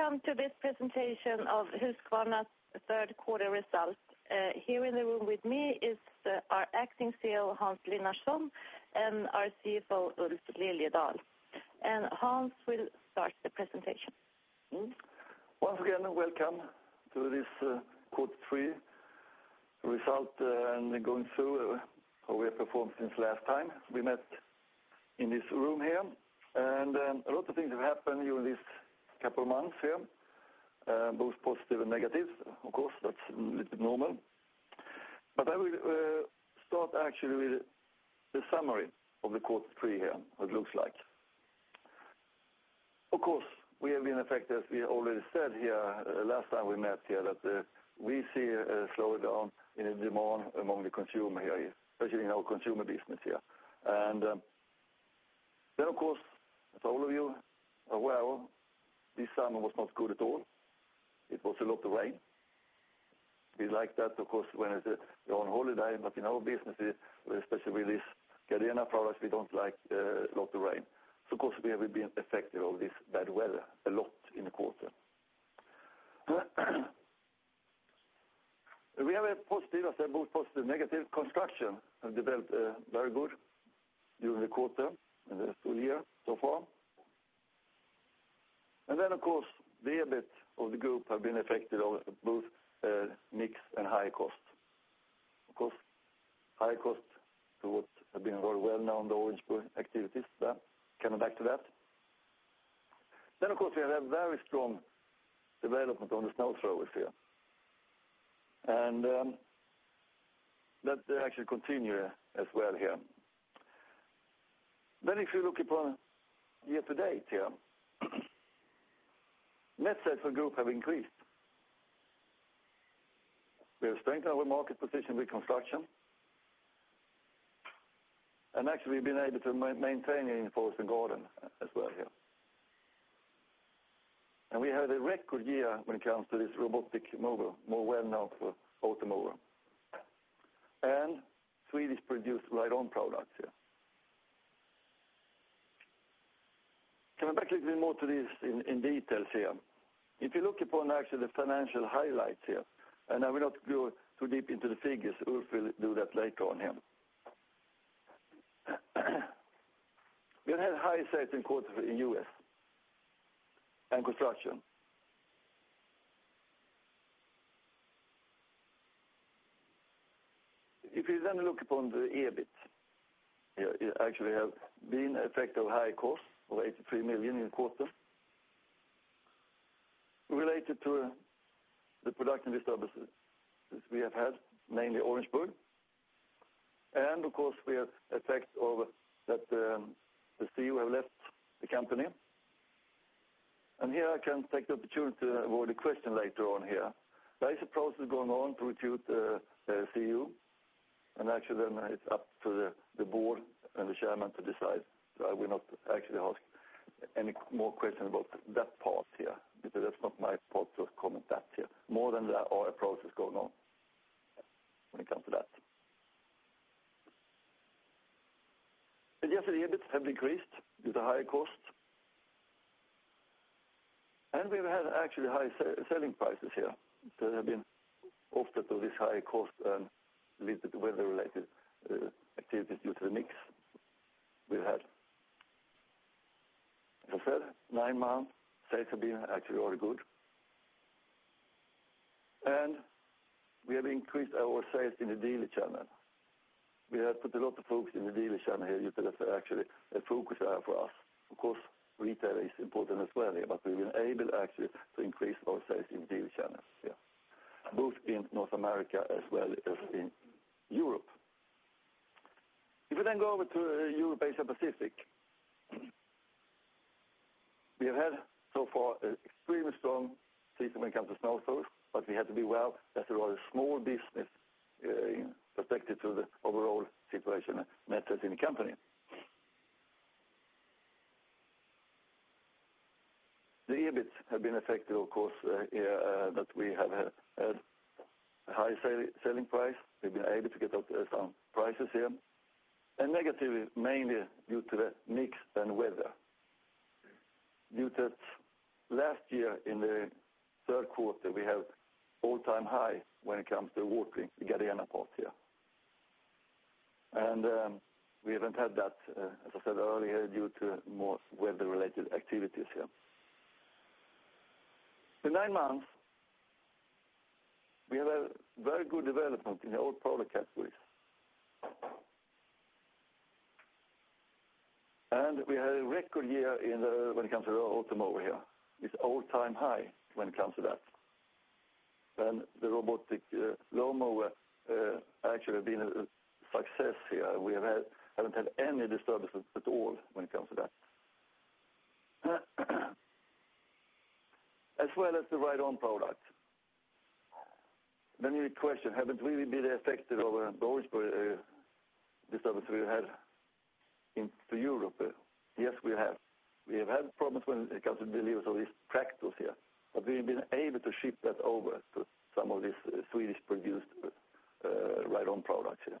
Welcome to this presentation of Husqvarna's Third Quarter Results. Here in the room with me is our Acting CEO, Hans Linnarson, and our CFO, Ulf Liljedahl. Hans, we'll start the presentation. Once again, welcome to this quarter three result and going through how we have performed since last time. We met in this room here, and a lot of things have happened during these couple of months here, both positive and negative, of course, that's a little bit normal. I will start actually with the summary of the quarter three here, what it looks like. Of course, we have been affected, as we already said here last time we met here, that we see a slowdown in the demand among the consumer here, especially in our consumer business here. Of course, as all of you are aware, this summer was not good at all. It was a lot of rain. We like that, of course, when it's a long holiday, but in our business, especially with these Gardena products, we don't like a lot of rain. Of course, we have been affected by this bad weather a lot in the quarter. We have a positive, as I said, both positive and negative. Construction has developed very good during the quarter and the full year so far. Of course, the debt of the group has been affected by both mixed and high costs. High costs have been very well known in the Orangeburg activities, so I'll come back to that. Of course, we have a very strong development on the snow throwers here. That actually continues as well here. If you look at the year-to-date here, methods for the group have increased. We have strengthened our market position with construction. Actually, we've been able to maintain the info in the garden as well here. We had a record year when it comes to this robotic mower, more well known for Automower, and Swedish-produced ride-on products here. Coming back a little bit more to these in details here. If you look upon actually the financial highlights here, and I will not go too deep into the figures, Ulf will do that later on here. We have had high sales in the quarter in the U.S. and construction. If you then look upon the EBIT, it actually has been affected by high costs of 83 million in the quarter related to the production disturbances we have had, mainly Orangeburg. Of course, we have the effect of that the CEO has left the company. Here, I can take the opportunity to avoid a question later on here. There is a process going on to recruit the CEO, and actually, then it's up to the board and the chairman to decide. I will not actually ask any more questions about that part here because that's not my part to comment on that here. More than that, our approach is going on. I'll cut to that. Yes, the EBIT has increased due to higher costs. We've had actually high selling prices here that have been offered to this higher cost and a little bit of weather-related activities due to the mix we've had. As I said, nine months, sales have been actually very good. We have increased our sales in the daily channel. We have put a lot of focus in the daily channel here due to that actually a focus area for us. Of course, retail is important as well here, but we've been able actually to increase our sales in the daily channels here, both in North America as well as in Europe. If we then go over to Europe-Asia-Pacific, we have had so far an extremely strong season when it comes to snow throwers, but we had to be as well as a rather small business, protected through the overall situation methods in the company. The EBIT has been affected, of course, that we have had a high selling price. We've been able to get out there some prices here, and negatively mainly due to the mix and weather. Last year in the third quarter, we had an all-time high when it comes to watering the Gardena parts here. We haven't had that, as I said earlier, due to more weather-related activities here. In nine months, we have had very good development in the old product categories. We had a record year when it comes to our Automower here. It's an all-time high when it comes to that, and the robotic lawnmower actually has been a success here. We haven't had any disturbance at all when it comes to that, as well as the ride-on product. You question, have we really been affected by the disturbance we've had in Europe. Yes, we have. We have had problems when it comes to delivery of these tractors here, but we've been able to ship that over to some of these Swedish-produced ride-on products here.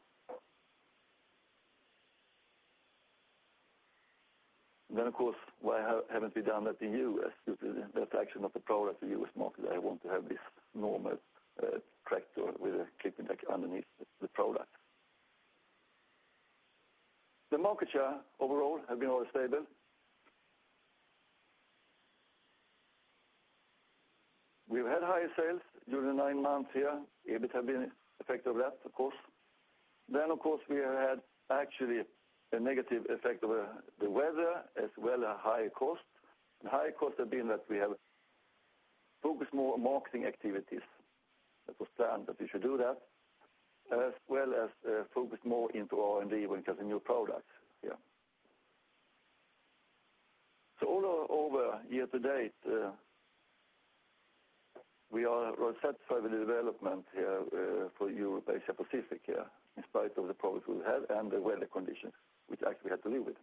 Of course, why haven't we done that in the U.S.? Because that's actually not the product of the U.S. market that I want to have, this normal tractor with a clipping deck underneath the product. The market share overall has been very stable. We've had higher sales during the nine months here. EBIT has been affected by that, of course. We have had actually a negative effect of the weather as well as a higher cost. Higher costs have been that we have focused more on marketing activities. It was planned that we should do that, as well as focus more into R&D when it comes to new products here. All over year-to-date, we are satisfied with the development here for Europe-Asia-Pacific in spite of the problems we've had and the weather conditions, which actually we had to live with.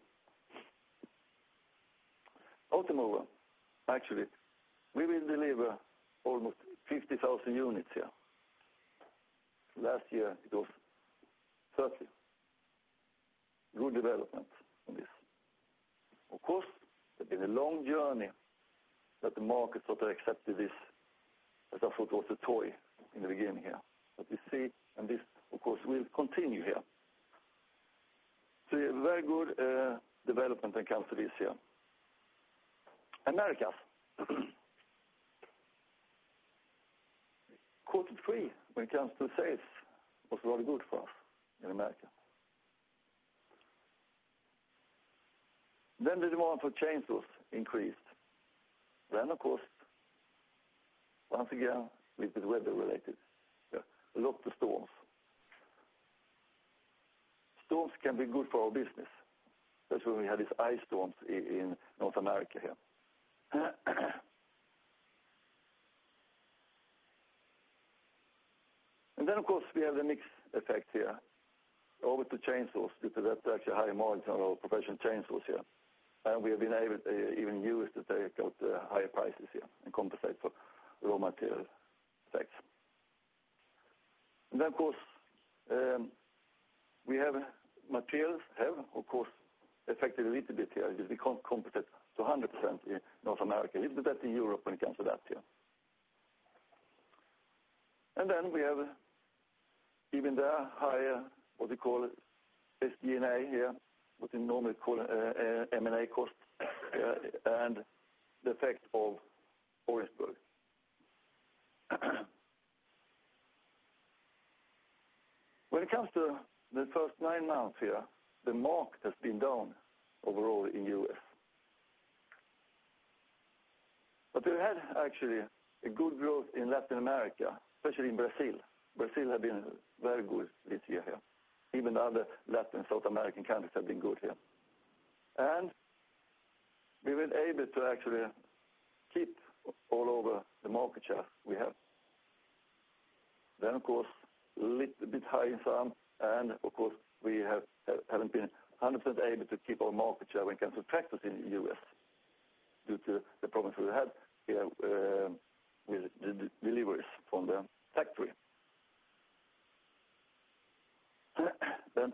Automower, actually, we will deliver almost 50,000 units here. Last year, it was 30,000. Good development. Of course, it's been a long journey that the market sort of accepted this as I thought it was a toy in the beginning here. We see, and this, of course, will continue here. A very good development when it comes to this here. Americas. Quarter three when it comes to sales was very good for us in the Americas. The demand for chainsaws increased. Of course, a little bit weather-related. A lot of storms. Storms can be good for our business. That's when we had these ice storms in North America. We have the mixed effect here. Over to chainsaws due to that actually high margin on our professional chainsaws. We have been able even in the U.S. to take out higher prices and compensate for raw material effects. Materials have, of course, affected a little bit here because we can't compensate 200% in North America. A little bit better in Europe when it comes to that. We have even there higher, what they call SDNA, what you normally call M&A costs, and the effect of Orangeburg. When it comes to the first nine months, the market has been down overall in the U.S. We've had actually a good growth in Latin America, especially in Brazil. Brazil has been very good this year. Even the other Latin and South American countries have been good. We've been able to actually keep all over the market share we have. A little bit high in sun. We haven't been 100% able to keep our market share when it comes to tractors in the U.S. due to the problems we've had with the deliveries from the factory.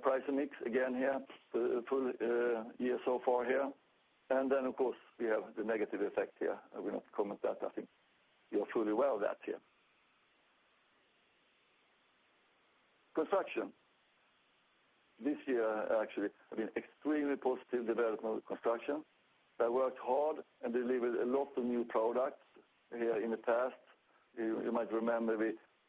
Price and mix again for the full year so far. We have the negative effect here. I will comment that. I think you're fully well that here. Construction. This year, actually, we've been extremely positive development of construction. I worked hard and delivered a lot of new products in the past. You might remember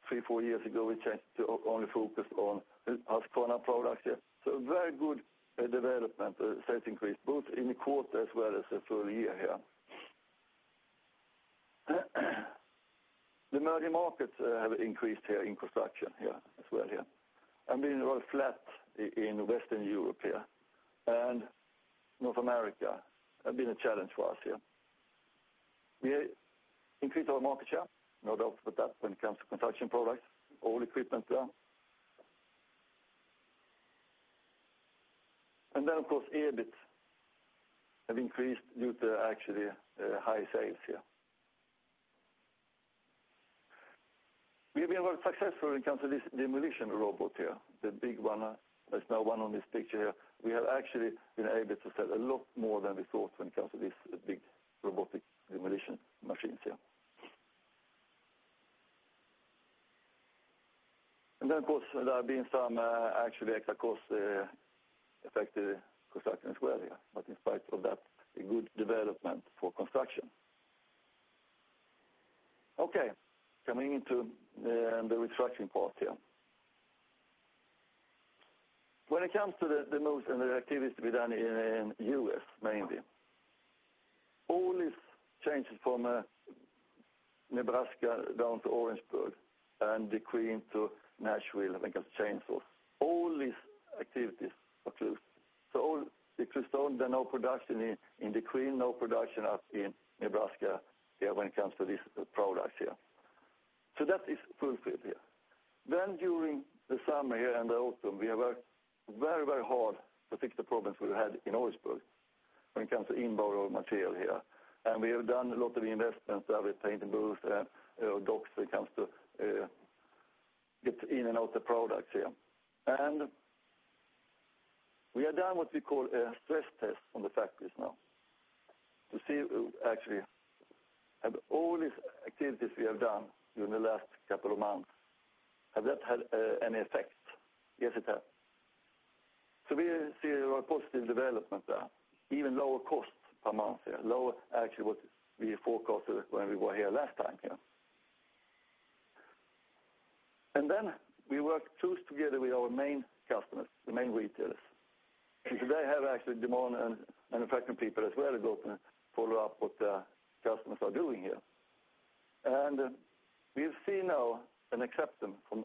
three, four years ago, we changed to only focus on Husqvarna products here. A very good development. Sales increased both in the quarter as well as the full year here. The emerging markets have increased here in construction as well. I've been very flat in Western Europe. North America has been a challenge for us here. We have increased our market share, no doubt, but that when it comes to construction products, all equipment. Of course, EBIT has increased due to actually high sales here. We've been very successful when it comes to this demolition robot. The big one, the small one on this picture here. We have actually been able to sell a lot more than we thought when it comes to this big robotic demolition. Of course, there have been some actually extra costs affecting the construction as well. In spite of that, a good development for construction. Okay, coming into the retraction part here. When it comes to the moves and the activities we've done in the U.S. mainly, all these changes from Nebraska down to Orangeburg and the Queen to Nashville when it comes to chainsaws, all these activities are closed. All the closed stone, then no production in the Queen, no production up in Nebraska when it comes to these products. That is fulfilled here. During the summer and the autumn, we have worked very, very hard to fix the problems we had in Orangeburg when it comes to inbound raw material. We have done a lot of investments with painting booths and docks when it comes to getting in and out of products. We have done what we call a stress test on the factories now to see actually have all these activities we have done during the last couple of months, have that had any effects? Yes, it has. We see a very positive development there. Even lower costs per month. Lower actually what we forecasted when we were here last time. We worked close together with our main customers, the main retailers. They have actually demanded manufacturing people as well to go up and follow up what the customers are doing. We've seen now an acceptance from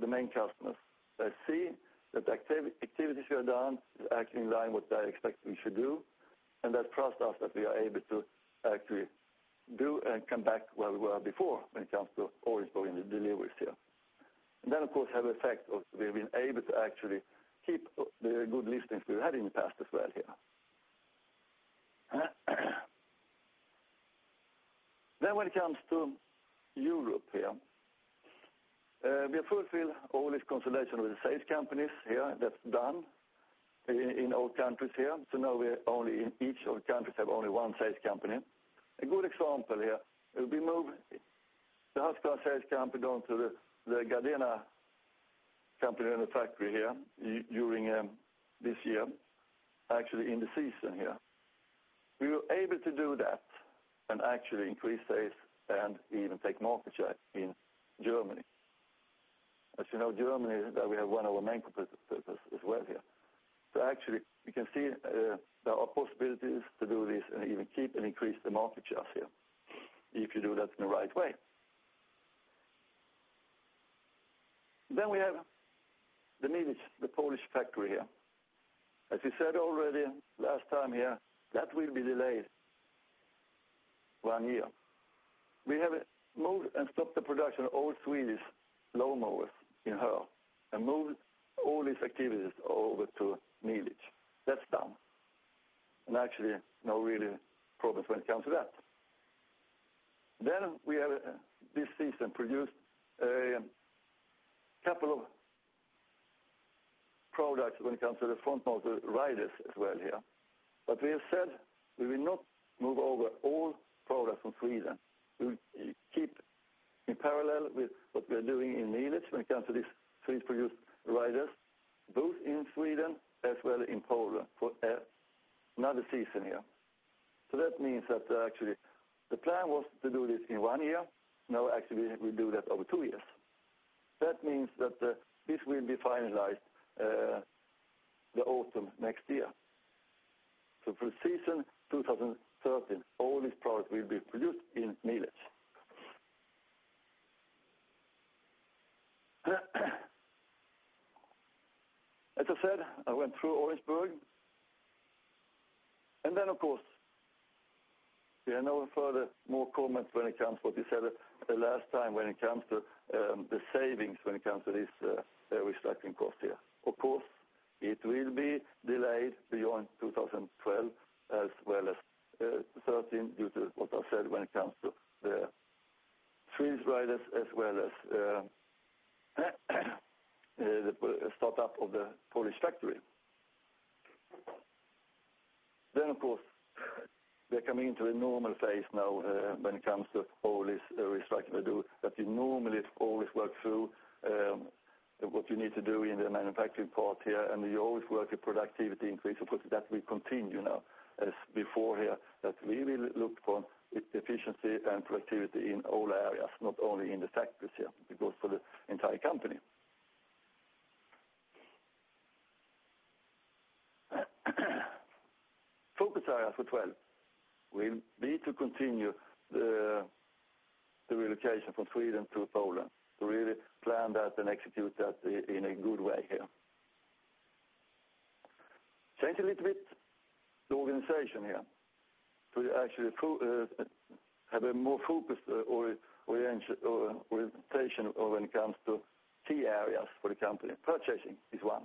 the main customers. They see that the activities we have done is actually in line with what they expect we should do. They trust us that we are able to actually do and come back to where we were before when it comes to Orangeburg and the deliveries. Of course, we have been able to actually keep the good listings we've had in the past as well here. When it comes to Europe, we have fulfilled all these consolidations with the sales companies that's done in all countries here. Now, in each of the countries, we have only one sales company. A good example, we moved the Husqvarna sales company down to the Gardena company in the factory here during this year, actually in the season. We were able to do that and actually increase sales and even take market share in Germany. As you know, Germany is where we have one of our main purposes as well. We can see there are possibilities to do this and even keep and increase the market shares if you do that in the right way. We have the Mielec, the Polish factory. As we said already last time, that will be delayed one year. We have moved and stopped the production of all Swedish lawnmowers in Hälle and moved all these activities over to Mielec. That's done. Actually, no real problems when it comes to that. This season, we produced a couple of products when it comes to the front of the riders as well. We have said we will not move over all products from Sweden. We will keep in parallel with what we are doing in Mielec when it comes to these Swedish-produced riders, both in Sweden as well as in Poland for another season. That means that actually the plan was to do this in one year. Now, we do that over two years. That means that this will be finalized in the autumn next year. For the season 2013, all these products will be produced in Mielec. I went through Orangeburg. We have no further comment when it comes to what we said last time regarding the savings related to this restructuring cost. It will be delayed beyond 2012 as well as 2013 due to what I said regarding the Swedish riders as well as the startup of the Polish factory. We are coming into a normal phase now when it comes to all this restructuring. You normally always work through what you need to do in the manufacturing part, and you always work with productivity increase. That will continue now as before, that we will look for efficiency and productivity in all areas, not only in the factories. It goes for the entire company. Focus areas for 2012 will be to continue the relocation from Sweden to Poland to really plan that and execute that in a good way. Change a little bit the organization to actually have a more focused orientation when it comes to key areas for the company. Purchasing is one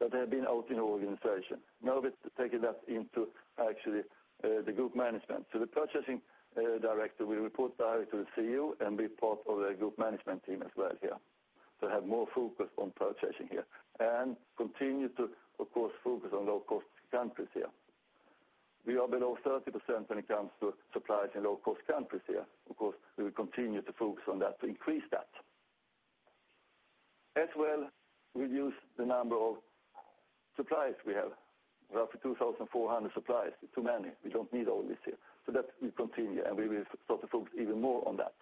that has been out in the organization. Now we're taking that into actually the group management. The Purchasing Director will report directly to the CEO and be part of the group management team as well to have more focus on purchasing and continue to, of course, focus on low-cost countries. We are below 30% when it comes to suppliers in low-cost countries. Of course, we will continue to focus on that to increase that. As well, reduce the number of suppliers we have. Roughly 2,400 suppliers. It's too many. We don't need all this. That will continue and we will start to focus even more on that.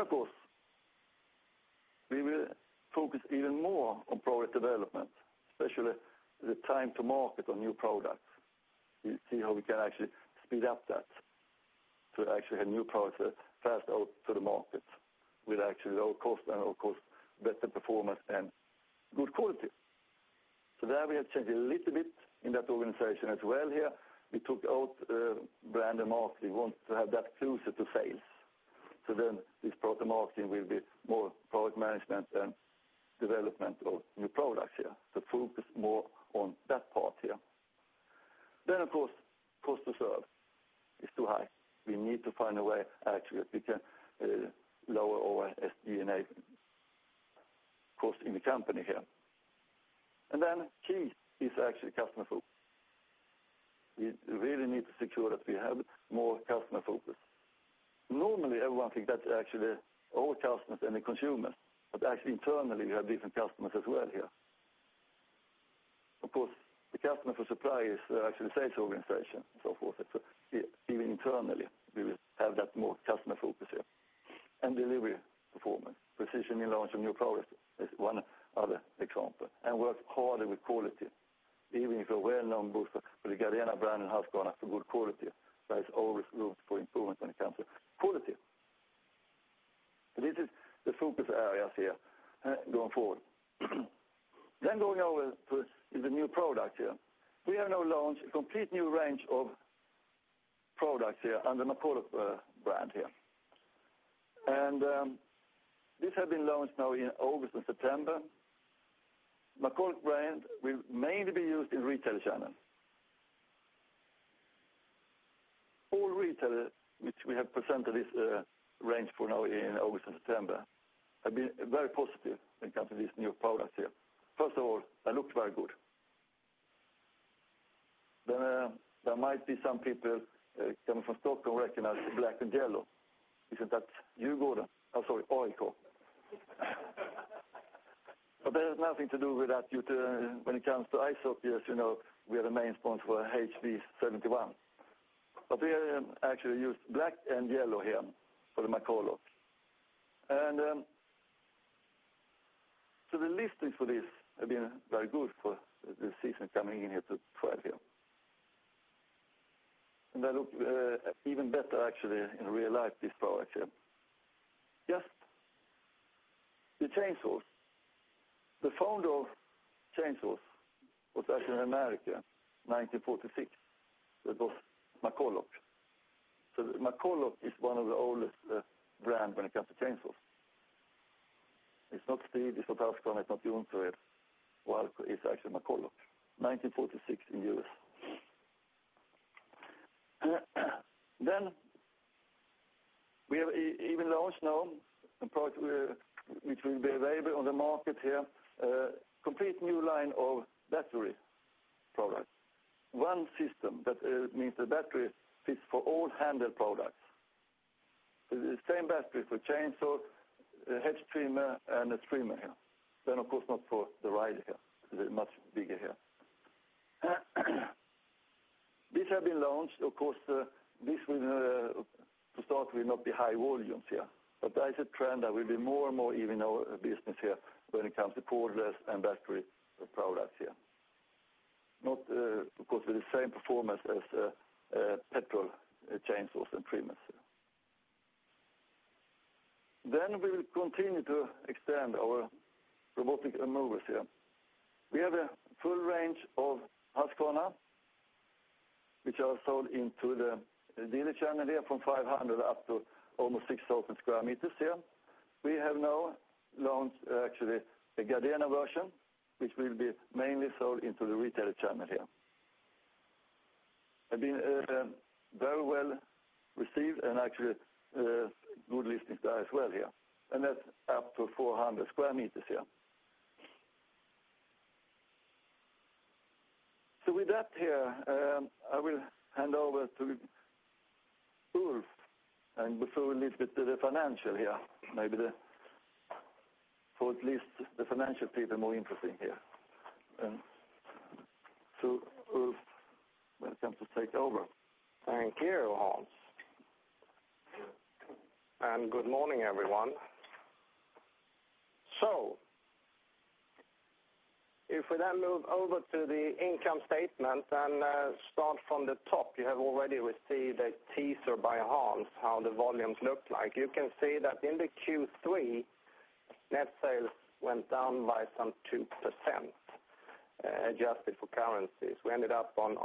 Of course, we will focus even more on product development, especially the time to market on new products. You see how we can actually speed up that to actually have new products that are fast out to the market with actually low cost and, of course, better performance and good quality. There we have changed a little bit in that organization as well. We took out brand and marketing. We want to have that closer to sales. This product marketing will be more product management than development of new products that focus more on that part. Cost to serve is too high. We need to find a way actually to lower our SDNA cost in the company. Key is actually customer focus. We really need to secure that we have more customer focus. Normally, everyone thinks that's actually all customers and the consumers, but actually internally we have different customers as well. The customer for suppliers is actually a sales organization and so forth. Even internally, we will have that more customer focus. Delivery performance, precision in launch of new products is one other example and work harder with quality, even if a well-known booth with the Gardena brand and Husqvarna for good quality, there is always room for improvement when it comes to quality. This is the focus areas going forward. Going over to the new products, we have now launched a complete new range of products under the McCulloch brand. This has been launched now in August and September. McCulloch brand will mainly be used in the retail channel. All retailers which we have presented this range for now in August and September have been very positive when it comes to these new products here. First of all, it looks very good. There might be some people coming from Stockholm who recognize black and yellow. Isn't that AIK? Oh, sorry, AIK. That has nothing to do with that. When it comes to ice hockey, yes, you know we are the main sponsor for HV71. We actually use black and yellow here for the McCulloch. The listings for this have been very good for the season coming in here to 2012. That looks even better actually in real life, these products here. Yes, the chainsaws. The founder of chainsaws was actually in America in 1946. It was McCulloch. McCulloch is one of the oldest brands when it comes to chainsaws. It's not Stihl, it's not Husqvarna, it's not Jonsered. The origin is actually McCulloch, 1946 in the U.S. We have even launched now a product which will be available on the market here, a complete new line of battery-powered products. One system that means the battery fits for all handheld products. The same battery for chainsaw, hedge trimmer, and trimmer here. Of course, not for the rider here. It's much bigger here. These have been launched. This will to start will not be high volumes here, but that is a trend that will be more and more even in our business here when it comes to cordless and battery-powered products here. Of course, with the same performance as the petrol chainsaws and trimmers here. We will continue to extend our robotic mowers here. We have a full range of Husqvarna, which are sold into the dealer channel here from 500 up to almost 600 square meters here. We have now launched actually a Gardena version, which will be mainly sold into the retail channel here. It's been very well received and actually good listings there as well here. That's up to 400 square meters here. With that here, I will hand over to Ulf. Before we leave it to the financial here, maybe for at least the financial people are more interested here. Ulf, come to take over. Thank you, Hans. Good morning, everyone. If we then move over to the income statement and start from the top, you have already received a teaser by Hans how the volumes look like. You can see that in Q3, net sales went down by some 2% adjusted for currencies. We ended up on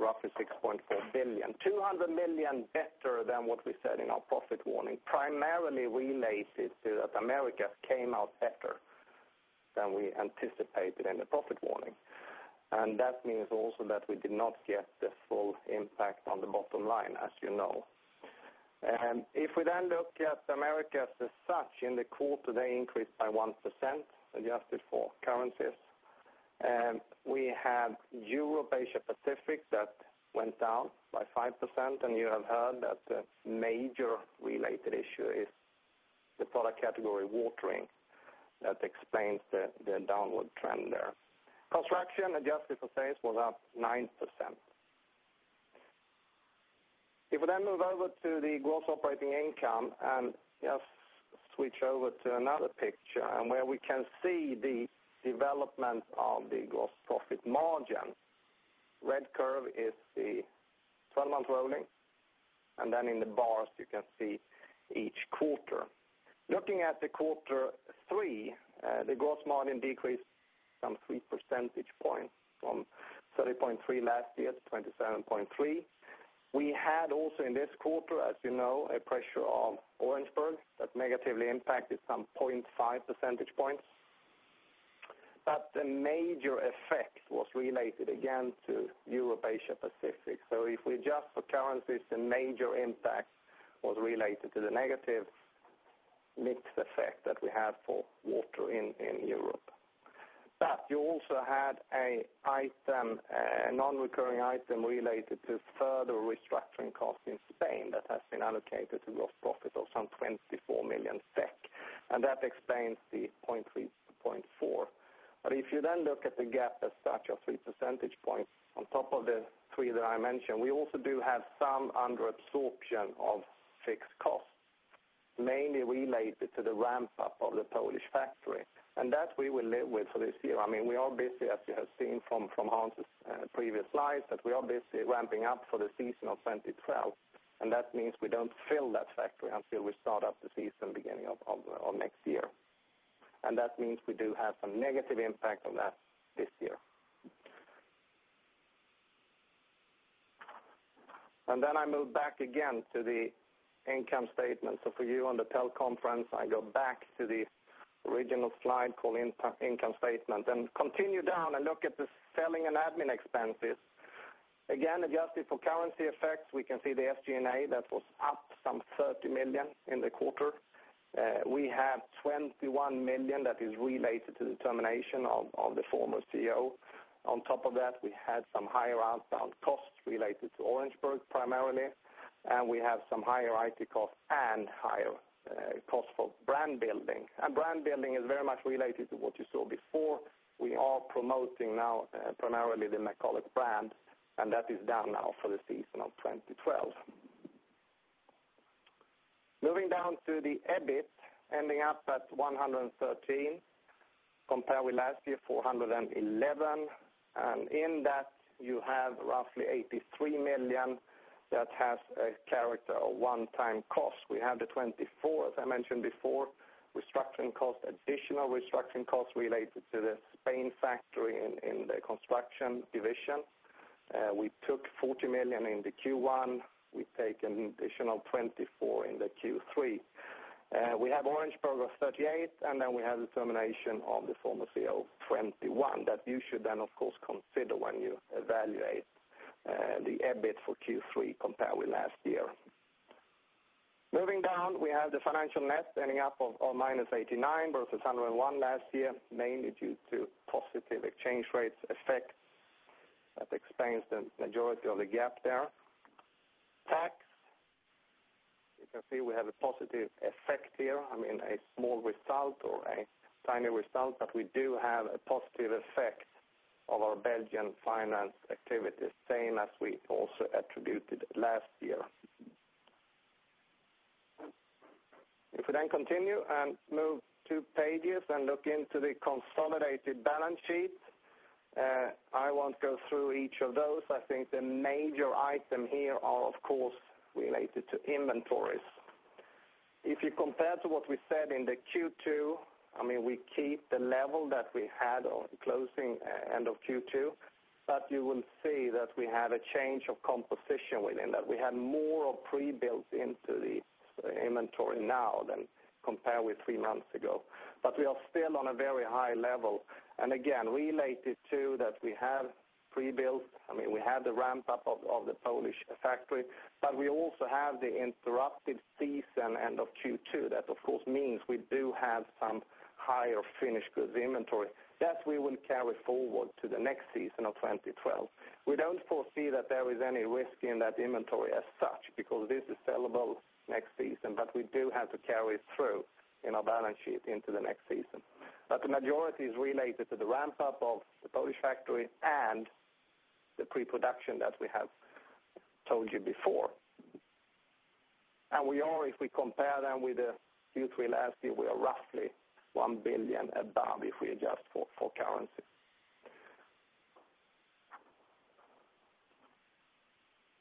roughly 6.4 billion, 200 million better than what we said in our profit warning. This was primarily related to the fact that Americas came out better than we anticipated in the profit warning. That means we did not get the full impact on the bottom line, as you know. If we then look at Americas as such, in the quarter, they increased by 1% adjusted for currencies. Europe-Asia-Pacific went down by 5%. You have heard that the major related issue is the product category watering. That explains the downward trend there. Construction adjusted for sales was up 9%. If we then move over to the gross operating income and just switch over to another picture where we can see the development of the gross profit margin, the red curve is the 12-month rolling. In the bars, you can see each quarter. Looking at Q3, the gross margin decreased some three percentage points from 30.3% last year to 27.3%. We had also in this quarter, as you know, a pressure of Orangeburg that negatively impacted some 0.5 percentage points. The major effect was related again to Europe-Asia-Pacific. If we adjust for currencies, the major impact was related to the negative mix effect that we had for watering in Europe. There was also a non-recurring item related to further restructuring costs in Spain that has been allocated to gross profit of some 24 million SEK. That explains the 0.3 to 0.4. If you then look at the gap as such of three percentage points on top of the three that I mentioned, we also do have some under-absorption of fixed costs, mainly related to the ramp-up of the Polish factory. We will live with that for this year. We are busy, as you have seen from Hans's previous slides, ramping up for the season of 2012. That means we don't fill that factory until we start up the season beginning of next year. That means we do have some negative impact on that this year. I move back again to the income statement. For you on the teleconference, I go back to the original slide called income statement. Then continue down and look at the selling and admin expenses. Again, adjusted for currency effects, we can see the SG&A that was up some 30 million in the quarter. We have 21 million that is related to the termination of the former CEO. On top of that, we had some higher outbound costs related to Orangeburg primarily. We have some higher IT costs and higher costs for brand building. Brand building is very much related to what you saw before. We are promoting now primarily the McCulloch brand, and that is done now for the season of 2012. Moving down to the EBIT, ending up at 113 million compared with last year, 411 million. In that, you have roughly 83 million that has a character of one-off costs. We have the 24 million I mentioned before, restructuring costs, additional restructuring costs related to the Spain factory in the construction division. We took 40 million in Q1. We take an additional 24 million in Q3. We have Orangeburg of 38 million, and then we have the termination of the former CEO of 21 million that you should then, of course, consider when you evaluate the EBIT for Q3 compared with last year. Moving down, we have the financial net ending up at minus 89 million versus 101 million last year, mainly due to positive exchange rates effect. That explains the majority of the gap there. Tax, you can see we have a positive effect here. I mean, a small result or a tiny result, but we do have a positive effect of our Belgian finance activity, same as we also attributed last year. If we then continue and move two pages and look into the consolidated balance sheet, I won't go through each of those. I think the major item here is, of course, related to inventories. If you compare to what we said in Q2, I mean, we keep the level that we had on closing end of Q2, but you will see that we have a change of composition within that. We have more pre-built into the inventory now than compared with three months ago. We are still on a very high level. Again, related to that, we have pre-built. We have the ramp-up of the Polish factory, but we also have the interrupted season end of Q2. That, of course, means we do have some higher finished goods inventory. That, we will carry forward to the next season of 2012. We don't foresee that there is any risk in that inventory as such because this is sellable next season, but we do have to carry it through in our balance sheet into the next season. The majority is related to the ramp-up of the Polish factory and the pre-production that we have told you before. If we compare them with Q3 last year, we are roughly 1 billion above if we adjust for currency.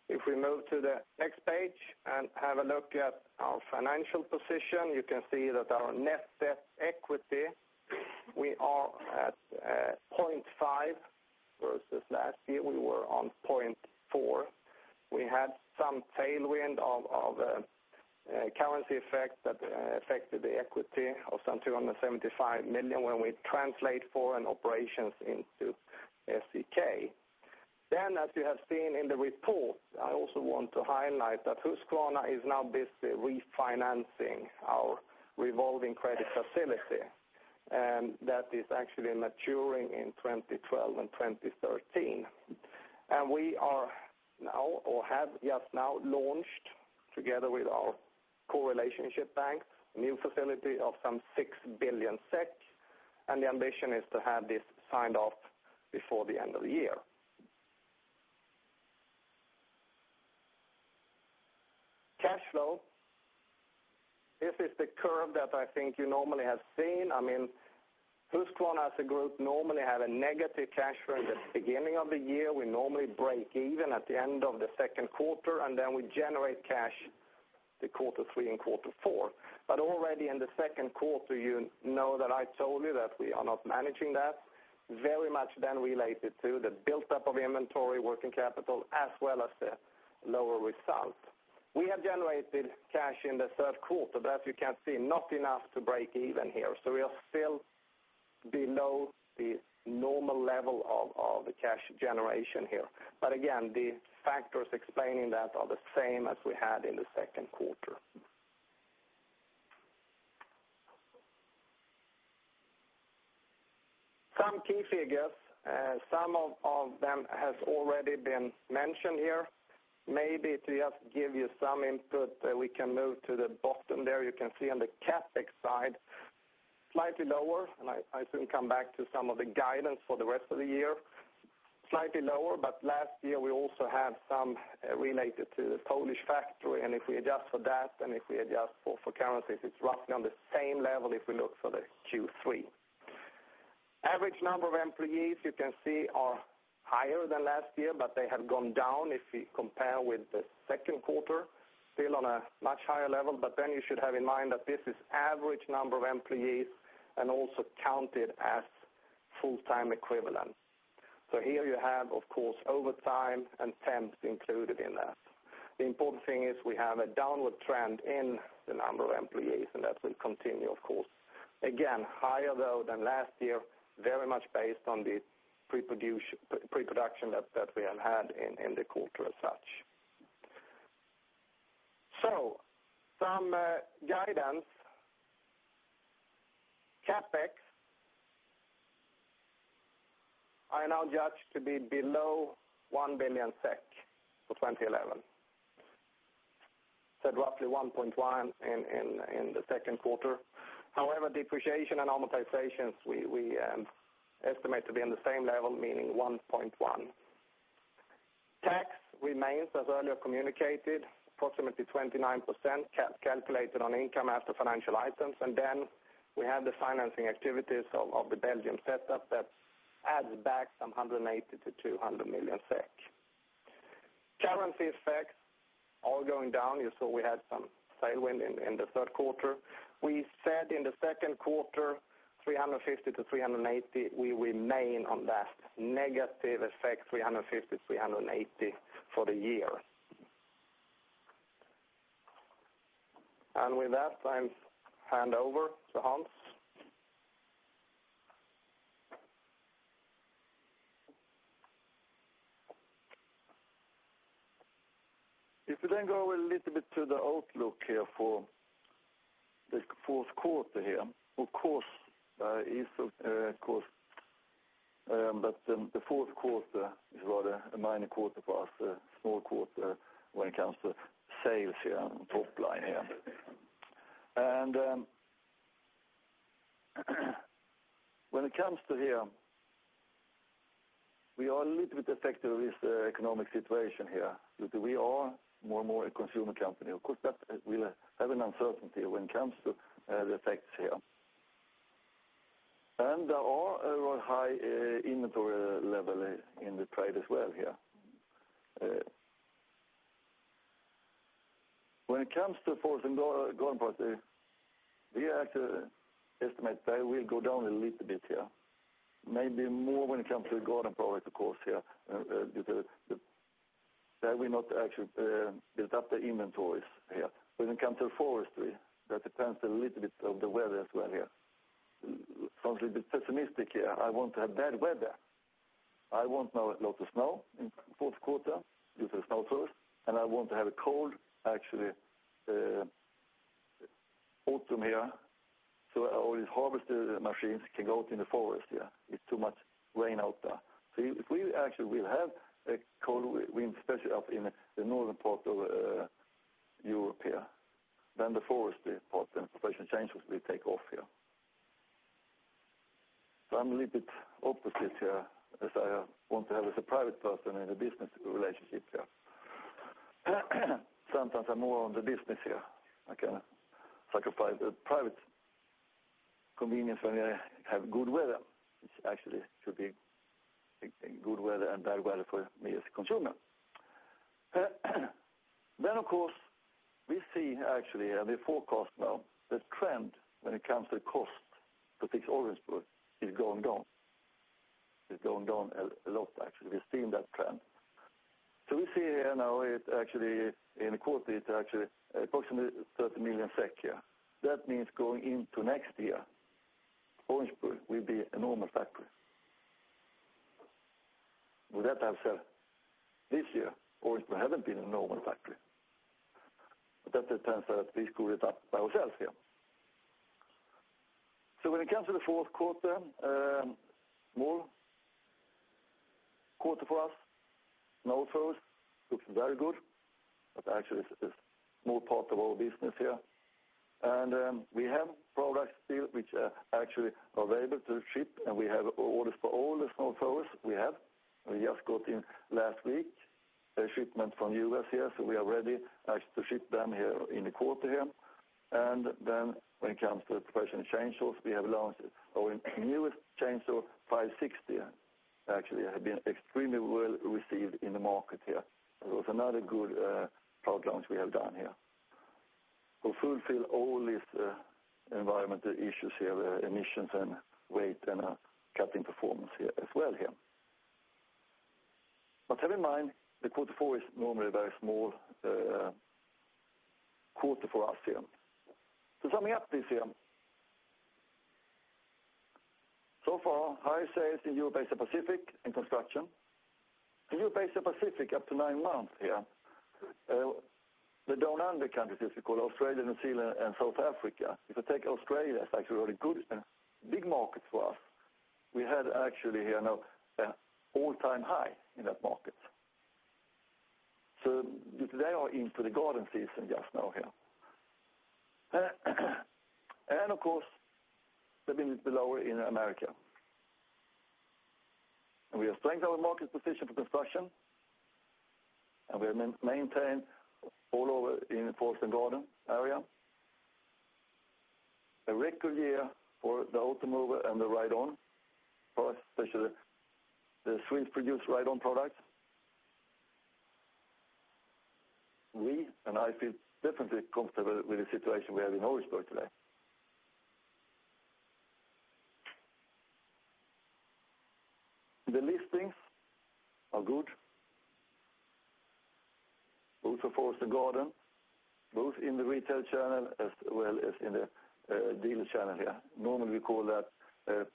If we move to the next page and have a look at our financial position, you can see that our net equity is at 0.5 versus last year when we were at 0.4. We had some tailwind of a currency effect that affected the equity of some 275 million when we translate foreign operations into SEK. As you have seen in the report, I also want to highlight that Husqvarna is now basically refinancing our revolving credit facility. That is actually maturing in 2012 and 2013. We have just now launched, together with our core relationship bank, a new facility of some 6 billion SEK. The ambition is to have this signed off before the end of the year. Cash flow. This is the curve that I think you normally have seen. Husqvarna as a group normally has a negative cash flow in the beginning of the year. We normally break even at the end of the second quarter, and then we generate cash in quarter three and quarter four. Already in the second quarter, you know that I told you that we are not managing that, very much then related to the buildup of inventory, working capital, as well as a lower result. We have generated cash in the third quarter, but as you can see, not enough to break even here. We are still below the normal level of cash generation here. The factors explaining that are the same as we had in the second quarter. Some key figures, some of them have already been mentioned here. Maybe to just give you some input, we can move to the bottom there. You can see on the CapEx side, slightly lower, and I soon come back to some of the guidance for the rest of the year, slightly lower. Last year, we also had some related to the Polish factory. If we adjust for that, and if we adjust for currencies, it's roughly on the same level if we look for Q3. Average number of employees, you can see, is higher than last year, but it has gone down if we compare with the second quarter, still on a much higher level. You should have in mind that this is the average number of employees and also counted as full-time equivalent. Here you have, of course, overtime and temps included in that. The important thing is we have a downward trend in the number of employees, and that will continue, of course. Again, higher though than last year, very much based on the pre-production that we have had in the quarter as such. Some guidance: CapEx is now judged to be below 1 billion SEK for 2011, so roughly 1.1 billion in the second quarter. However, depreciation and amortizations we estimate to be on the same level, meaning 1.1 billion. Tax remains, as earlier communicated, approximately 29% calculated on income after financial items. We have the financing activities of the Belgian setup that adds back some 180 to 200 million. Currency effects are going down. You saw we had some tailwind in the third quarter. We said in the second quarter, 350 to 380 million, we remain on that negative effect, 350 to 380 million for the year. With that, I hand over to Hans. If we then go a little bit to the outlook here for the fourth quarter, of course, the fourth quarter is rather a minor quarter for us, a small quarter when it comes to sales, on top line. When it comes to this, we are a little bit affected with the economic situation because we are more and more a consumer company. Of course, we have an uncertainty when it comes to the effects. There are overall high inventory levels in the trade as well. When it comes to the frozen garden product, we actually estimate they will go down a little bit, maybe more when it comes to the garden product, of course, due to that we're not actually built up the inventories. When it comes to forestry, that depends a little bit on the weather as well. Sounds a little bit pessimistic. I want to have bad weather. I want not a lot of snow in the fourth quarter due to the snowfalls. I want to have a cold, actually autumn, so all these harvest machines can go out in the forest. It's too much rain out there. We actually will have a cold wind, especially up in the northern part of Europe. The forestry part and the production chains will take off. I'm a little bit opposite here as I want to have with the private person and the business relationships. Sometimes I'm more on the business. I can sacrifice the private convenience when I have good weather, which actually should be good weather and bad weather for me as a consumer. Of course, we see actually the forecast now, the trend when it comes to the cost for fixed orders is going down. It's going down a lot, actually. We've seen that trend. We see now it's actually in the quarter, it's actually approximately 30 million. That means going into next year, Orangeburg will be a normal factory. We would have to have said this year, Orangeburg hasn't been a normal factory. That depends on that we screwed it up by ourselves. When it comes to the fourth quarter, more quarter for us, snowfall looks very good. Actually, it's more part of our business. We have products still which are actually available to ship, and we have orders for all the snowfalls we have. We just got in last week, a shipment from the U.S., so we are ready actually to ship them in the quarter. When it comes to the production chainsaws, we have launched our newest chainsaw, 560, which actually has been extremely well received in the market. There was another good outlaunch we have done to fulfill all these environmental issues, the emissions and weight and cutting performance as well. Have in mind the fourth quarter is normally a very small quarter for us. Summing up this year so far, high sales in Europe-Asia-Pacific in construction. In Europe-Asia-Pacific, up to nine months, the down under countries, as we call Australia, New Zealand, and South Africa, if you take Australia as actually a very good and big market for us, we had actually now an all-time high in that market. They are into the garden season just now. Of course, they've been a little bit lower in the Americas. We have strengthened our market position for construction, and we have maintained all over in the forest and garden area. A record year for the Automower and the ride-on products, especially the Swiss-produced ride-on products. I feel definitely comfortable with the situation we have in Orangeburg today. The listings are good, both for forest and garden, both in the retail channel as well as in the daily channel. Normally, we call that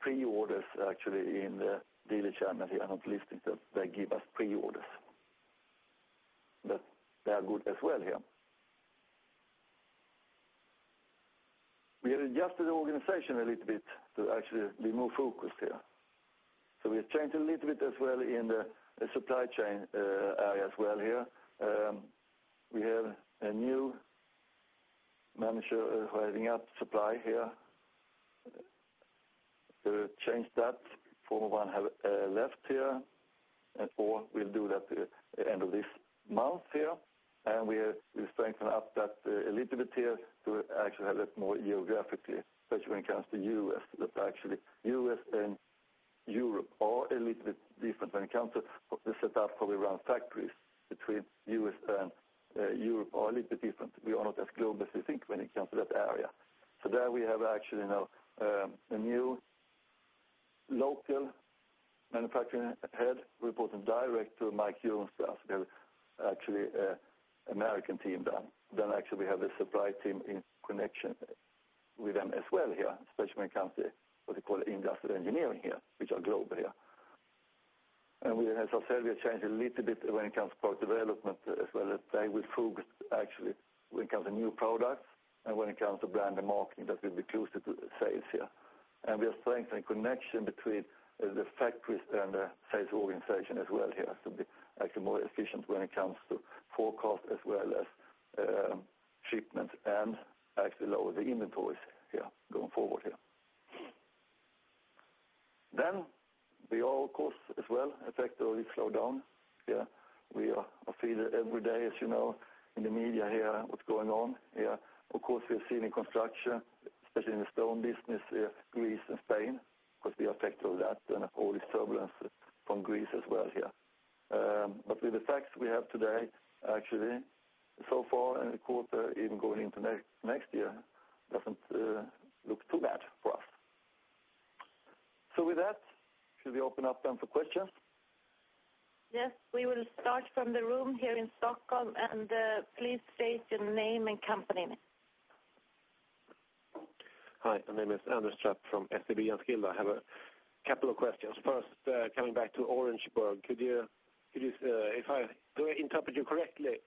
pre-orders in the daily channel, not listings that give us pre-orders, but they are good as well. We had adjusted the organization a little bit to actually be more focused. We have changed a little bit as well in the supply chain area. We have a new manager who is heading up supply to change that. The former one has left, or will do that at the end of this month. We will strengthen up that a little bit to actually have a bit more geographically, especially when it comes to the U.S. The U.S. and Europe are a little bit different when it comes to the setup of how we run factories between U.S. and Europe. We are not as global as we think when it comes to that area. We have now a new local manufacturing head reporting direct to Mike Junsa. We have an American team then. We have a supply team in connection with them as well, especially when it comes to what we call the industrial engineering, which are global. We have also changed a little bit when it comes to product development, as well as that we focus actually when it comes to new products and when it comes to brand and marketing that will be closer to sales here. We are strengthening the connection between the factories and the sales organization as well here to be actually more efficient when it comes to forecast as well as shipments and actually lower the inventories here going forward. The oil costs as well affected or slowed down here. We are feeding every day, as you know, in the media here what's going on here. Of course, we have seen in construction, especially in the stone business, we have Greece and Spain because we are affected by that and all this turbulence from Greece as well here. With the tax we have today, actually, so far in the quarter, even going into next year, it doesn't look too bad for us. With that, should we open up then for questions? Yes, we will start from the room here in Stockholm. Please state your name and company name. Hi, my name is Anders Trapp from SEB and Skill. I have a couple of questions. First, coming back to Orangeburg, could you, if I interpret you correctly,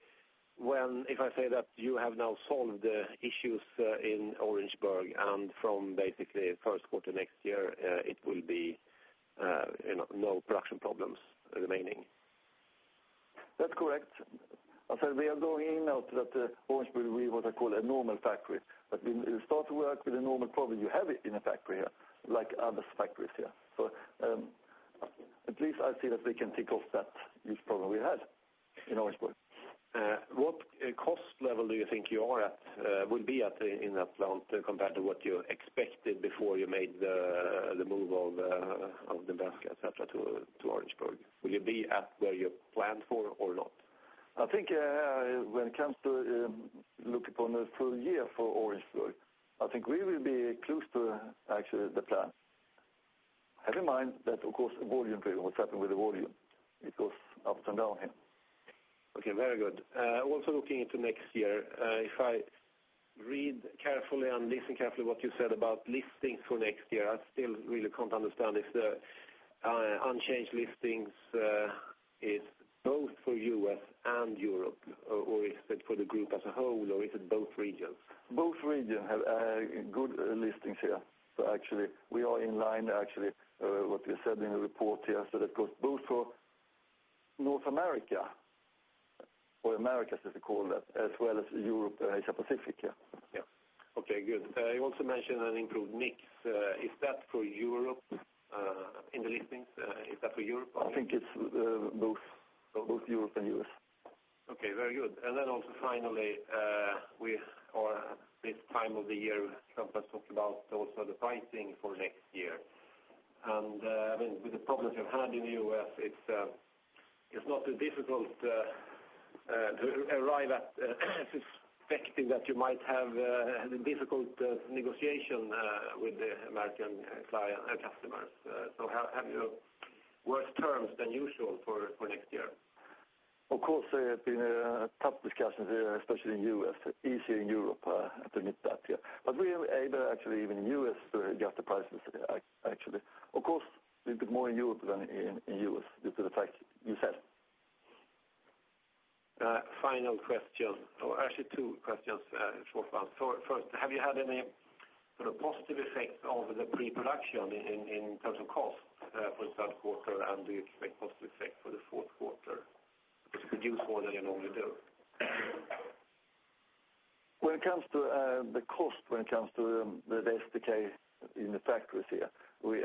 when if I say that you have now solved the issues in Orangeburg and from basically the first quarter next year, it will be no production problems remaining? That's correct. As I said, we are going in now to that Orangeburg will be what I call a normal factory. We will start to work with the normal problems you have in a factory here like other factories here. At least I see that we can take off that huge problem we had in Orangeburg. What cost level do you think you are at, would be at in that plant compared to what you expected before you made the move of the basket, etc., to Orangeburg? Will you be at where you planned for or not? I think when it comes to looking for a new full year for Orangeburg, I think we will be close to actually the plan. Have in mind that, of course, volume will what's happening with the volume. It goes up and down here. Okay, very good. Also looking into next year, if I read carefully and listen carefully to what you said about listings for next year, I still really can't understand if the unchanged listings are both for U.S. and Europe, or is it for the group as a whole, or is it both regions? Both regions have good listings here. We are in line, actually, what you said in the report here. That goes both for North America or Americas, as we call that, as well as Europe-Asia-Pacific here. Yeah. Okay, good. You also mentioned an improved mix. Is that for Europe in the listings? Is that for Europe? I think it's both, both Europe and U.S. Okay, very good. Also finally, we are this time of the year, we sometimes talk about also the pricing for next year. With the problems you've had in the U.S., it's not too difficult to arrive at the perspective that you might have a difficult negotiation with the American client and customers. Have your worst terms than usual for next year. Of course, there have been tough discussions, especially in the U.S., easier in Europe to meet that here. We are able actually even in the U.S. to adjust the prices, actually. Of course, a little bit more in Europe than in the U.S. due to the fact you said. Final question. Actually, two questions for France. First, have you had any sort of positive effect of the pre-production in terms of cost for the third quarter and the positive effect for the fourth quarter? Reduce volume and only do. When it comes to the cost, when it comes to the SDK in the factories here, we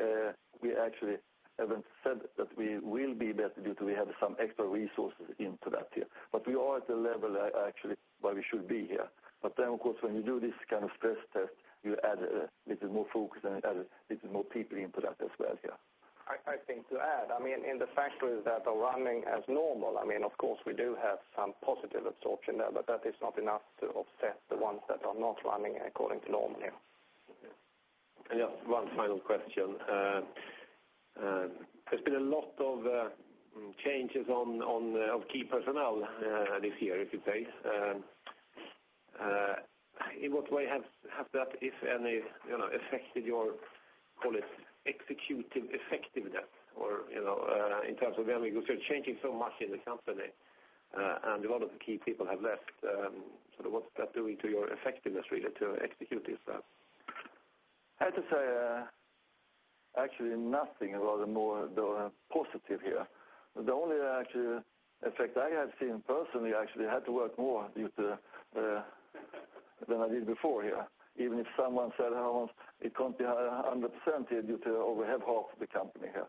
actually haven't said that we will be better due to we have some extra resources into that here. We are at the level actually where we should be here. Of course, when you do this kind of stress test, you add a little more focus and add a little more people into that as well here. I think to add, in the factories that are running as normal, of course, we do have some positive absorption there, but that is not enough to offset the ones that are not running according to normal here. Just one final question. There's been a lot of changes on key personnel this year, if you'd say. In what way has that, if any, affected your executive effectiveness? In terms of when we go through changing so much in the company and a lot of the key people have left, what's that doing to your effectiveness really to execute this stuff? I have to say actually nothing, rather more positive here. The only actual effect I have seen personally actually had to work more than I did before here. Even if someone said it can't be 100% here due to overhead half of the company here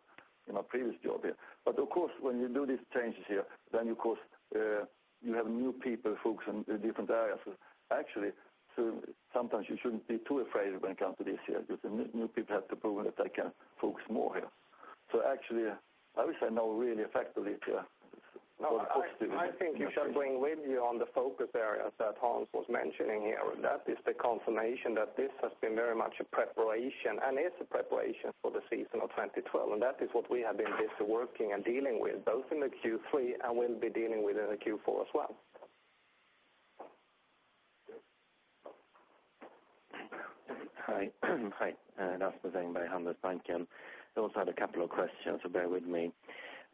in my previous job here. Of course, when you do these changes here, you have new people focusing in different areas. Sometimes you shouldn't be too afraid when it comes to this year because new people have to prove that they can focus more here. I would say now really effectively here. Now the positive. I think if I'm going with you on the focus areas that Hans was mentioning here, that is the confirmation that this has been very much a preparation and is a preparation for the season of 2012. That is what we have been busy working and dealing with both in the Q3 and we'll be dealing with in the Q4 as well. Hi, that's by Anders Banken. I also had a couple of questions, so bear with me.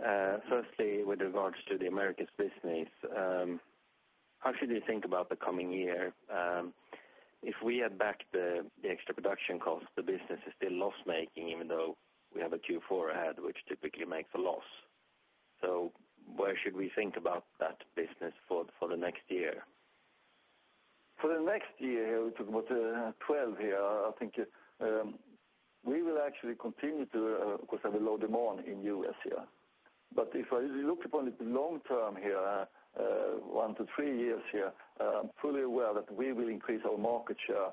Firstly, with regards to the Americas business, how should we think about the coming year? If we add back the extra production costs, the business is still loss-making even though we have a Q4 ahead, which typically makes a loss. Where should we think about that business for the next year? For the next year, we talk about the 12 here. I think we will actually continue to, of course, have a low demand in the U.S. here. If I look for a little long-term here, one to three years here, I'm fully aware that we will increase our market share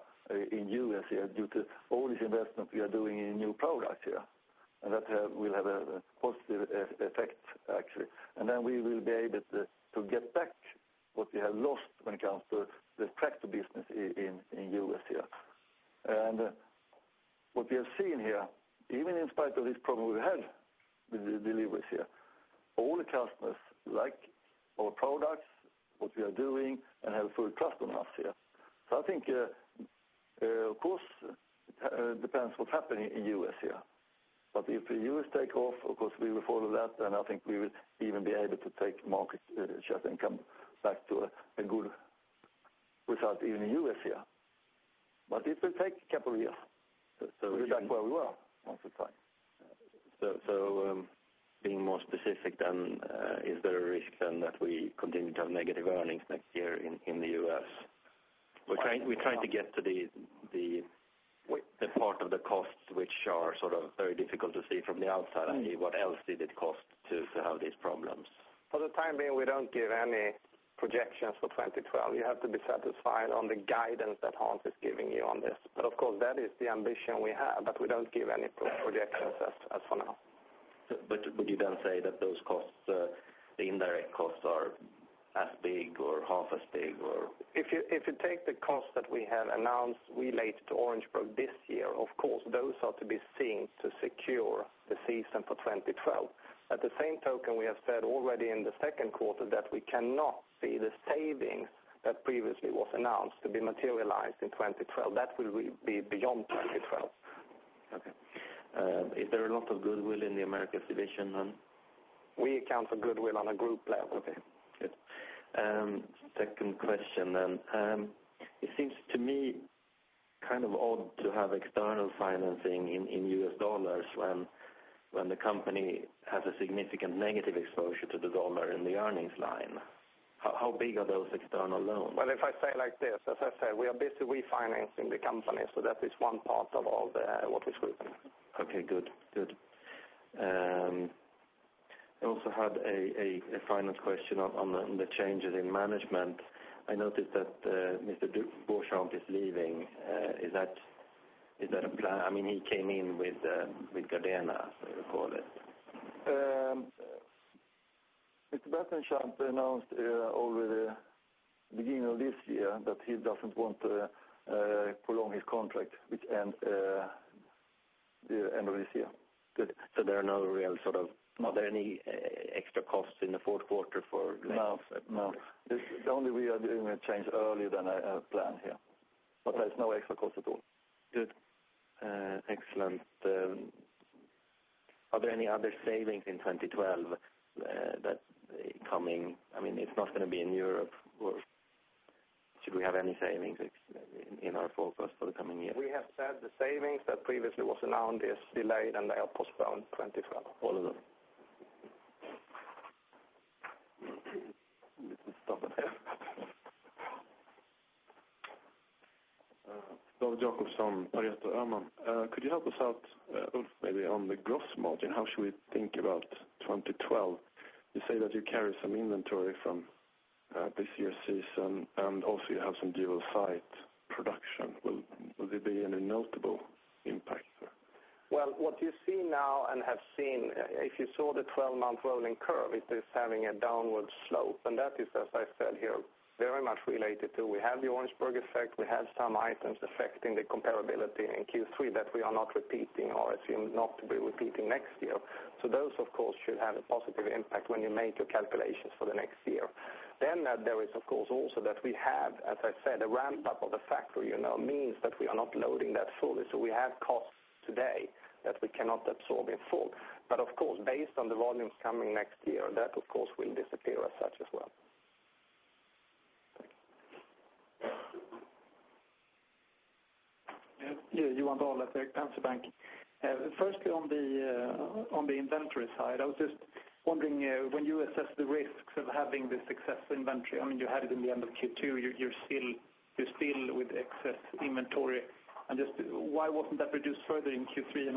in the U.S. here due to all this investment we are doing in new products here. That will have a positive effect, actually. We will be able to get back what we have lost when it comes to the tractor business in the U.S. here. What we have seen here, even in spite of this problem we've had with the deliveries here, all the customers like our products, what we are doing, and have a full trust on us here. I think, of course, it depends what's happening in the U.S. here. If the U.S. takes off, of course, we will follow that. I think we will even be able to take market share income back to a good result even in the U.S. here. It will take a couple of years to be back where we were once upon a time. Being more specific then, is there a risk that we continue to have negative earnings next year in the U.S.? We're trying to get to the part of the costs which are very difficult to see from the outside. What else did it cost to have these problems? For the time being, we don't give any projections for 2012. You have to be satisfied on the guidance that Hans is giving you on this. Of course, that is the ambition we have, but we don't give any projections as for now. Would you then say that those costs, the indirect costs, are as big or half as big? If you take the costs that we have announced related to Orangeburg this year, of course, those are to be seen to secure the season for 2012. At the same token, we have said already in the second quarter that we cannot see the savings that previously was announced to be materialized in 2012. That will be beyond 2012. Okay. Is there a lot of goodwill in the Americas division? We account for goodwill on a group level. Okay. Good. Second question then. It seems to me kind of odd to have external financing in U.S. dollars when the company has a significant negative exposure to the dollar in the earnings line. How big are those external loans? As I said, we are busy refinancing the company. That is one part of all what is working. Okay, good. I also had a final question on the changes in management. I noticed that Mr. Bouchamp is leaving. Is that a plan? I mean, he came in with Gardena, as we would call it. Mr. Bouchamp announced at the beginning of this year that he doesn't want to prolong his contract to the end of this year. Good. There are no real sort of, not that there are any extra costs in the fourth quarter for? No, the only way we are doing a change earlier than a plan here, but there's no extra cost at all. Good. Excellent. Are there any other savings in 2012 that are coming? I mean, it's not going to be in Europe, or should we have any savings in our focus for the coming year? We have said the savings that previously was announced is delayed, and they are postponed in 2012. Jacobson, Pareto Erman, could you help us out, Ulf, maybe on the gross margin? How should we think about 2012? You say that you carry some inventory from this year's season, and also you have some dual-site production. Will there be any notable impact, sir? What you see now and have seen, if you saw the 12-month rolling curve, it is having a downward slope. That is, as I said here, very much related to we have the Orangeburg effect. We have some items affecting the comparability in Q3 that we are not repeating or assume not to be repeating next year. Those, of course, should have a positive impact when you make your calculations for the next year. There is, of course, also that we have, as I said, a ramp-up of the factory, you know, means that we are not loading that fully. We have costs today that we cannot absorb in full. Of course, based on the volumes coming next year, that, of course, will disappear. Yeah, Johan Thorlefwerk, Amfibanken. Firstly, on the inventory side, I was just wondering, when you assess the risks of having this excess inventory, I mean, you had it in the end of Q2. You're still with excess inventory. Why wasn't that reduced further in Q3?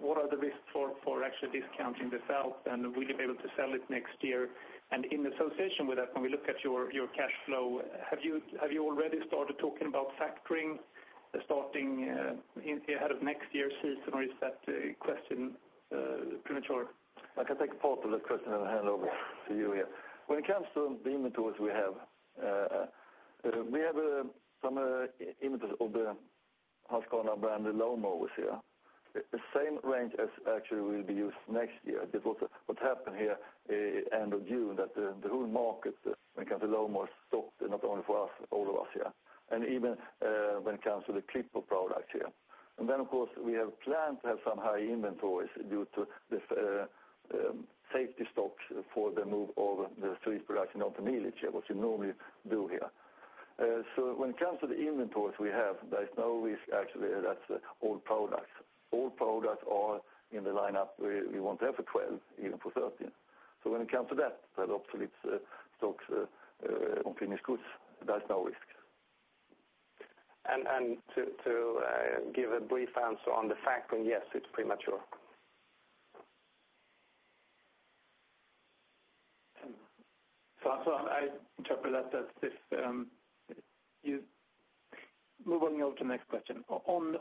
What are the risks for actually discounting this out? Will you be able to sell it next year? In association with that, when we look at your cash flow, have you already started talking about factoring starting ahead of next year's season? Or is that question premature? I can take part of that question and hand over to you here. When it comes to the inventories we have, we have some inventories of the Husqvarna branded lawnmowers here. The same range as actually will be used next year. This was what happened here at the end of June, that the whole market when it comes to lawnmowers stopped, not only for us, all of us here. Even when it comes to the clipper products here. Of course, we have planned to have some high inventories due to the safety stocks for the move of the Swedish production down to Mielec here, what you normally do here. When it comes to the inventories we have, there is no risk actually that's old products. Old products are in the lineup we want to have for 2012, even for 2013. When it comes to that, to have obsolete stocks of finished goods, there's no risk. To give a brief answer on the factoring, yes, it's premature. I interpret that this is moving on to the next question. On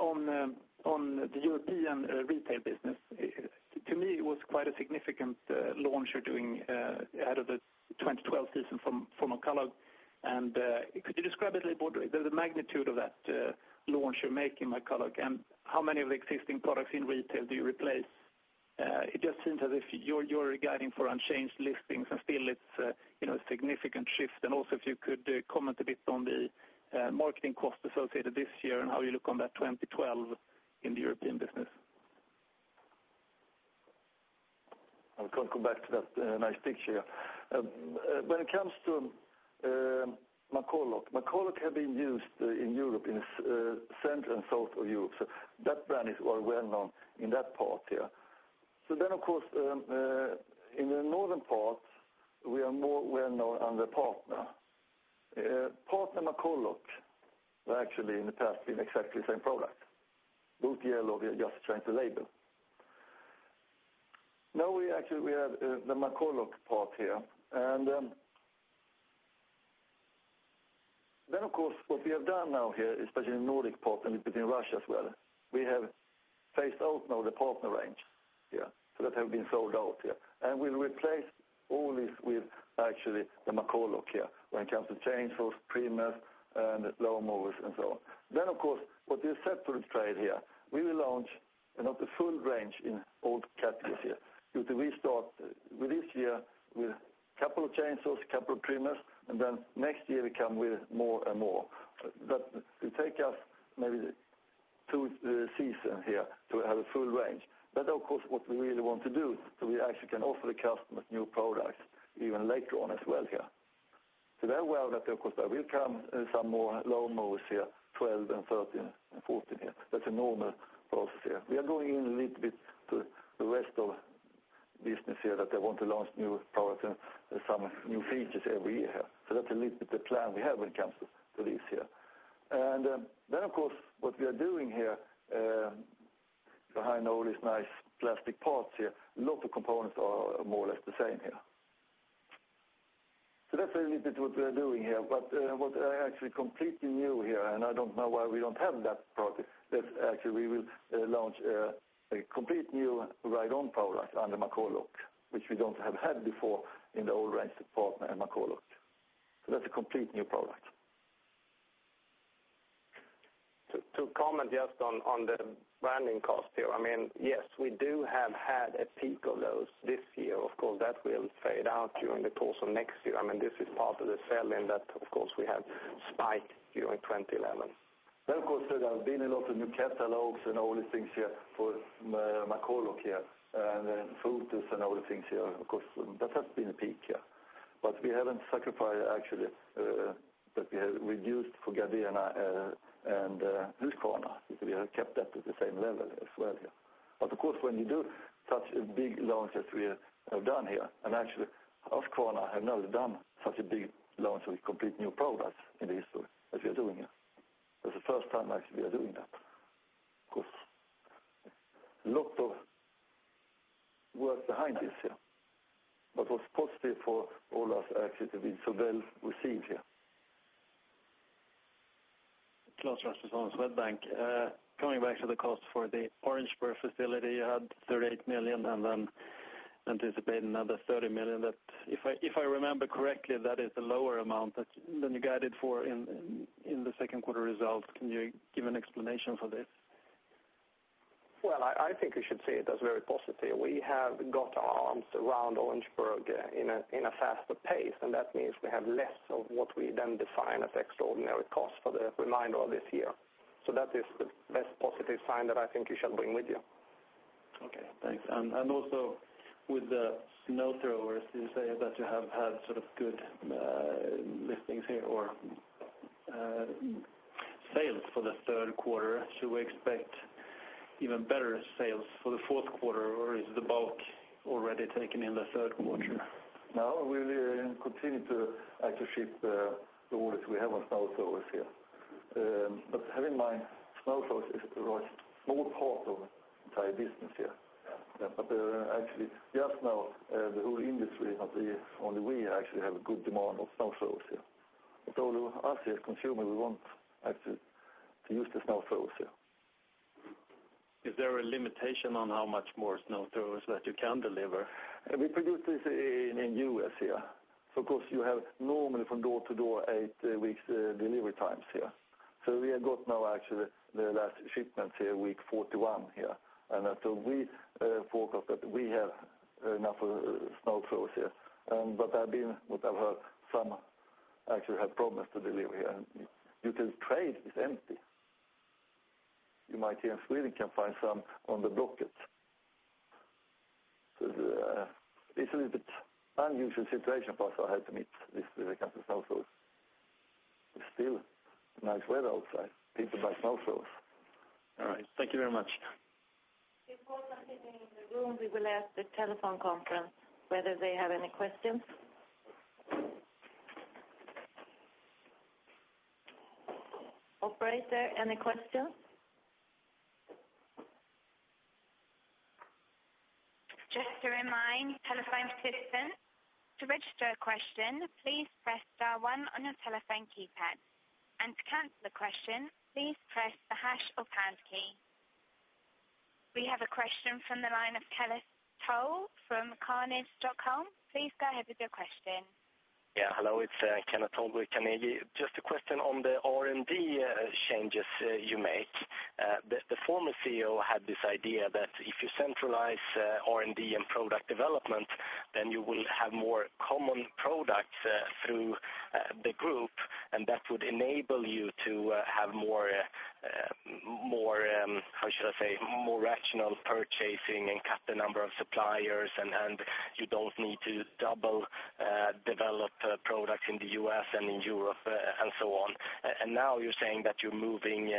the European retail business, to me, it was quite a significant launch you're doing ahead of the 2012 season for McCulloch. Could you describe a little bit more the magnitude of that launch you're making, McCulloch, and how many of the existing products in retail do you replace? It just seems as if you're guiding for unchanged listings, and still it's a significant shift. Also, if you could comment a bit on the marketing costs associated this year and how you look on that 2012 in the European business. I can't go back to that nice picture here. When it comes to McCulloch, McCulloch had been used in Europe in the center and south of Europe. That brand is well known in that part here. Of course, in the northern part, we are more well known under Partner. Partner, McCulloch actually in the past been exactly the same product. Both yellow, we are just trying to label. Now we actually have the McCulloch part here. Of course, what we have done now here, especially in the Nordic part and between Russia as well, we have phased out now the Partner range here that have been sold out here. We'll replace all this with actually the McCulloch here when it comes to chainsaws, trimmers, and lawnmowers, and so on. What you said to the trade here, we will launch another full range in all categories here due to we start with this year with a couple of chainsaws, a couple of trimmers, and next year we come with more and more. It may take us through the season here to have a full range. That is what we really want to do so we actually can offer the customers new products even later on as well here. They are aware that, of course, there will come some more lawnmowers here, 12 and 13 and 14 here. That's a normal process here. We are going in a little bit to the rest of the business here that they want to launch new products and some new features every year here. That's a little bit the plan we have when it comes to this here. What we are doing here, I know all these nice plastic parts here, lots of components are more or less the same here. That's a little bit what we are doing here. What is actually completely new here, and I don't know why we don't have that product, that actually we will launch a complete new ride-on product under McCulloch, which we don't have had before in the old range of Partner and McCulloch. That's a complete new product. To comment just on the branding cost here, I mean, yes, we do have had a peak of those this year. Of course, that will fade out during the course of next year. This is part of the feeling that, of course, we have spiked during 2011. Of course, there have been a lot of new catalogs and all these things here for McCulloch, and then filters and all the things here. Of course, that has been a peak here. We haven't sacrificed actually that we have reduced for Gardena and Husqvarna because we have kept that to the same level as well here. Of course, when you do such a big launch as we have done here, and actually Husqvarna has never done such a big launch with complete new products in the history as we are doing here. That's the first time actually we're behind this here. Of course, positive for all of us actually to have been so well received here. Klaus Rasmus Hans, Medbank. Coming back to the cost for the Orangeburg facility, you had 38 million and then anticipated another 30 million. If I remember correctly, that is a lower amount than you guided for in the second quarter results. Can you give an explanation for this? I think we should see it as very positive. We have got our arms around Orangeburg in a faster pace, and that means we have less of what we then define as extraordinary costs for the remainder of this year. That is the best positive sign that I think you shall bring with you. Thank you. Also, with the snow throwers, you say that you have had sort of good listings here or sales for the third quarter. Should we expect even better sales for the fourth quarter, or is the boat already taken in the third quarter? No, we will continue to actually ship the orders we have on snow throwers here. Have in mind, snow throwers is a large small part of the entire business here. Actually, it's just now the whole industry is not the only way to actually have a good demand of snow throwers here. All of us here as consumers, we want actually to use the snow throwers here. Is there a limitation on how much more snow throwers that you can deliver? We produce this in the U.S. here. Of course, you have normally from door to door eight weeks delivery times here. We have got now actually the last shipments here, week 41 here. We focus that we have enough snow throwers here. I've heard some actually have promised to deliver here. You can trade it with empty. You might even in Sweden find some on the docket. It's a little bit unusual situation for us to have to meet this when it comes to snow throwers. Still, nice weather outside. People like snow throwers. All right. Thank you very much. In the room, we will ask the telephone conference whether they have any questions. Operator, any questions? Just to remind telephone participants to register a question, please press star one on your telephone keypad. To cancel a question, please press the hash or pound key. We have a question from the line of Kenneth Toll from carnage.com. Please go ahead with your question. Yeah, hello. It's Kenneth Toll, Grey Carnegie. Just a question on the R&D changes you make. The former CEO had this idea that if you centralize R&D and product development, then you will have more common products through the group. That would enable you to have more, how should I say, more rational purchasing and cut the number of suppliers. You don't need to double develop products in the U.S. and in Europe and so on. Now you're saying that you're moving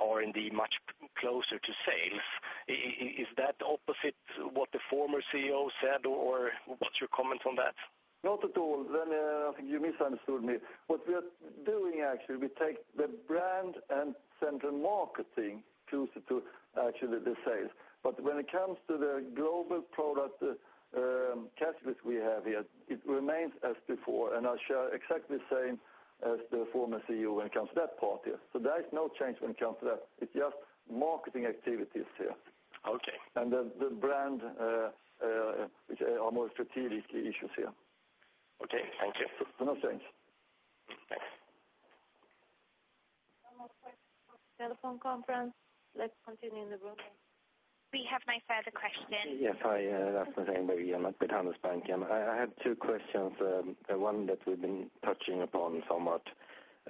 R&D much closer to sales. Is that opposite what the former CEO said, or what's your comment on that? Not at all. I think you misunderstood me. What we are doing actually, we take the brand and central marketing to actually the sales. When it comes to the global product categories we have here, it remains as before. I share exactly the same as the former CEO when it comes to that part here. There is no change when it comes to that. It's just marketing activities here. Okay. The brand, which are more strategic issues here. Okay, thank you. No change. Telephone conference. Let's continue in the room. We have a nice side of the question. Yes, hi, that's my name again. I'm Anders Banken. I had two questions. One that we've been touching upon somewhat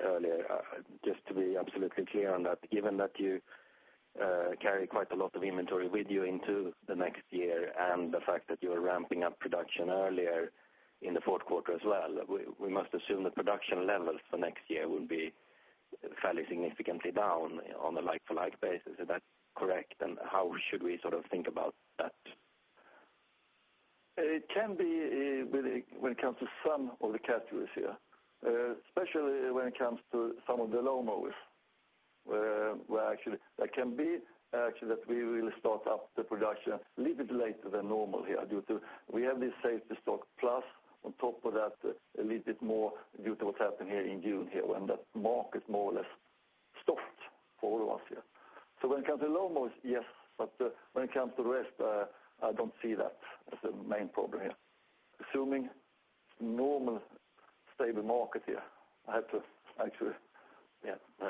earlier. Just to be absolutely clear on that, given that you carry quite a lot of inventory with you into the next year and the fact that you're ramping up production earlier in the fourth quarter as well, we must assume that production levels for next year would be fairly significantly down on a like-for-like basis. Is that correct? How should we sort of think about that? It can be when it comes to some of the categories here, especially when it comes to some of the lawnmowers. That can be that we really start up the production a little bit later than normal here due to we have this safety stock, plus on top of that a little bit more due to what's happened here in June when that market more or less stopped for all of us here. When it comes to lawnmowers, yes. When it comes to the rest, I don't see that as the main problem here. Assuming a normal stable market here, I have to actually.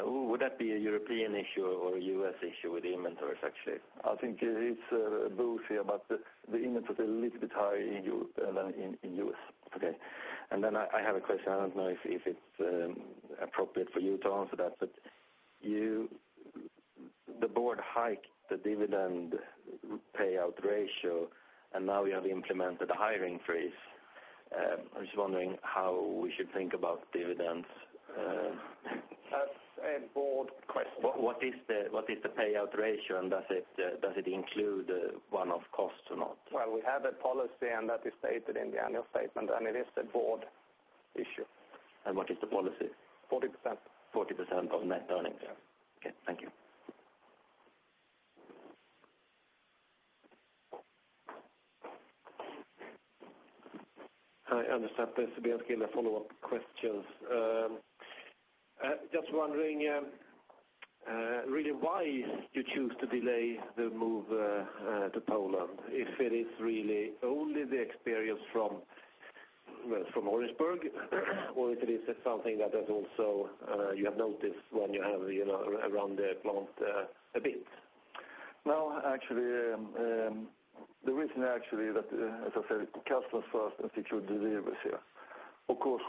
Would that be a European issue or a U.S. issue with inventories actually? I think it's both here, but the inventory levels are a little bit higher in the U.S. Okay. I have a question. I don't know if it's appropriate for you to answer that, but the board hiked the dividend payout ratio, and now we have implemented a hiring freeze. I'm just wondering how we should think about dividends. That's a board question. What is the payout ratio and does it include one-off costs or not? We have a policy and that is stated in the annual statement, and it is a board issue. What is the policy? 40%. 40% of net earnings. Yeah. Thank you. I understand there should be a few follow-up questions. Just wondering really why you choose to delay the move to Poland. Is it really only the experience from Orangeburg, or is it something that also you have noticed when you have run the plant a bit? No, actually. The reason actually is that, as I said, it's the customer first and secure delivery here. Of course,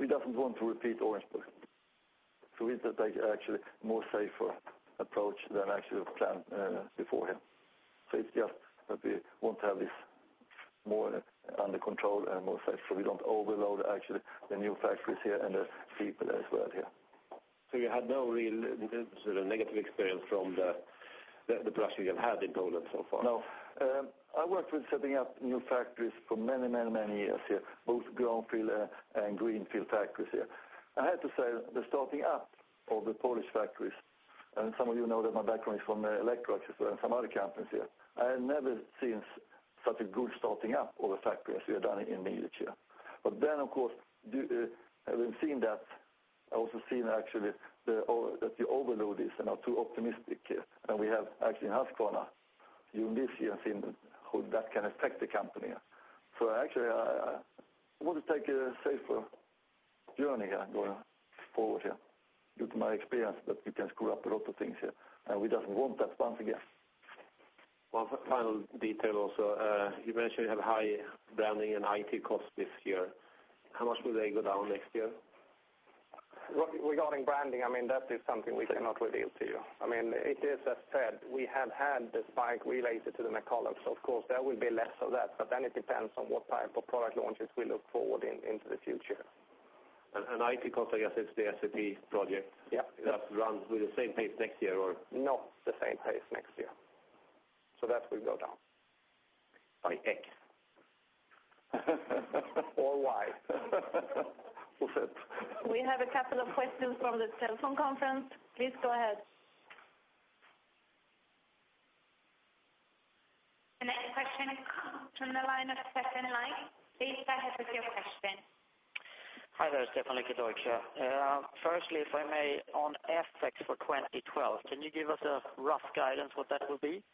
we don't want to repeat Orangeburg. We take actually a more safe approach than actually we've planned before here. It's just that we want to have this more under control and more safe. We don't overload actually the new factories here and the people as well here. You had no real sort of negative experience from the production you have had in Poland so far? No. I worked with setting up new factories for many, many, many years here, both brownfield and greenfield factories here. I have to say the starting up of the Polish factories, and some of you know that my background is from the electrical actually, so I'm from other companies here. I have never seen such a good starting up of a factory as we have done in Mielec here. Of course, we've seen that. I also seen actually. You all know this and are too optimistic here. We have actually in Husqvarna, you'll miss here and see how that can affect the company. I want to take a safer journey going forward here due to my experience, but we can screw up a lot of things here. We don't want that once again. One final detail also, you mentioned you have high branding and IT costs this year. How much will they go down next year? Regarding branding, that is something we cannot reveal to you. It is as said, we have had the spike related to the McCulloch. There will be less of that, but it depends on what type of product launches we look forward into the future. IT costs, I guess it's the STD project. Yeah. That runs with the same pace next year, or? Not the same pace next year, that will go down by 8. We have a couple of questions from the telephone conference. Please go ahead. The next question from the line of Certain Life. Please go ahead with your question. Hi, there's definitely a quick question. Firstly, if I may, on aspects for 2012, can you give us a rough guidance what that would be?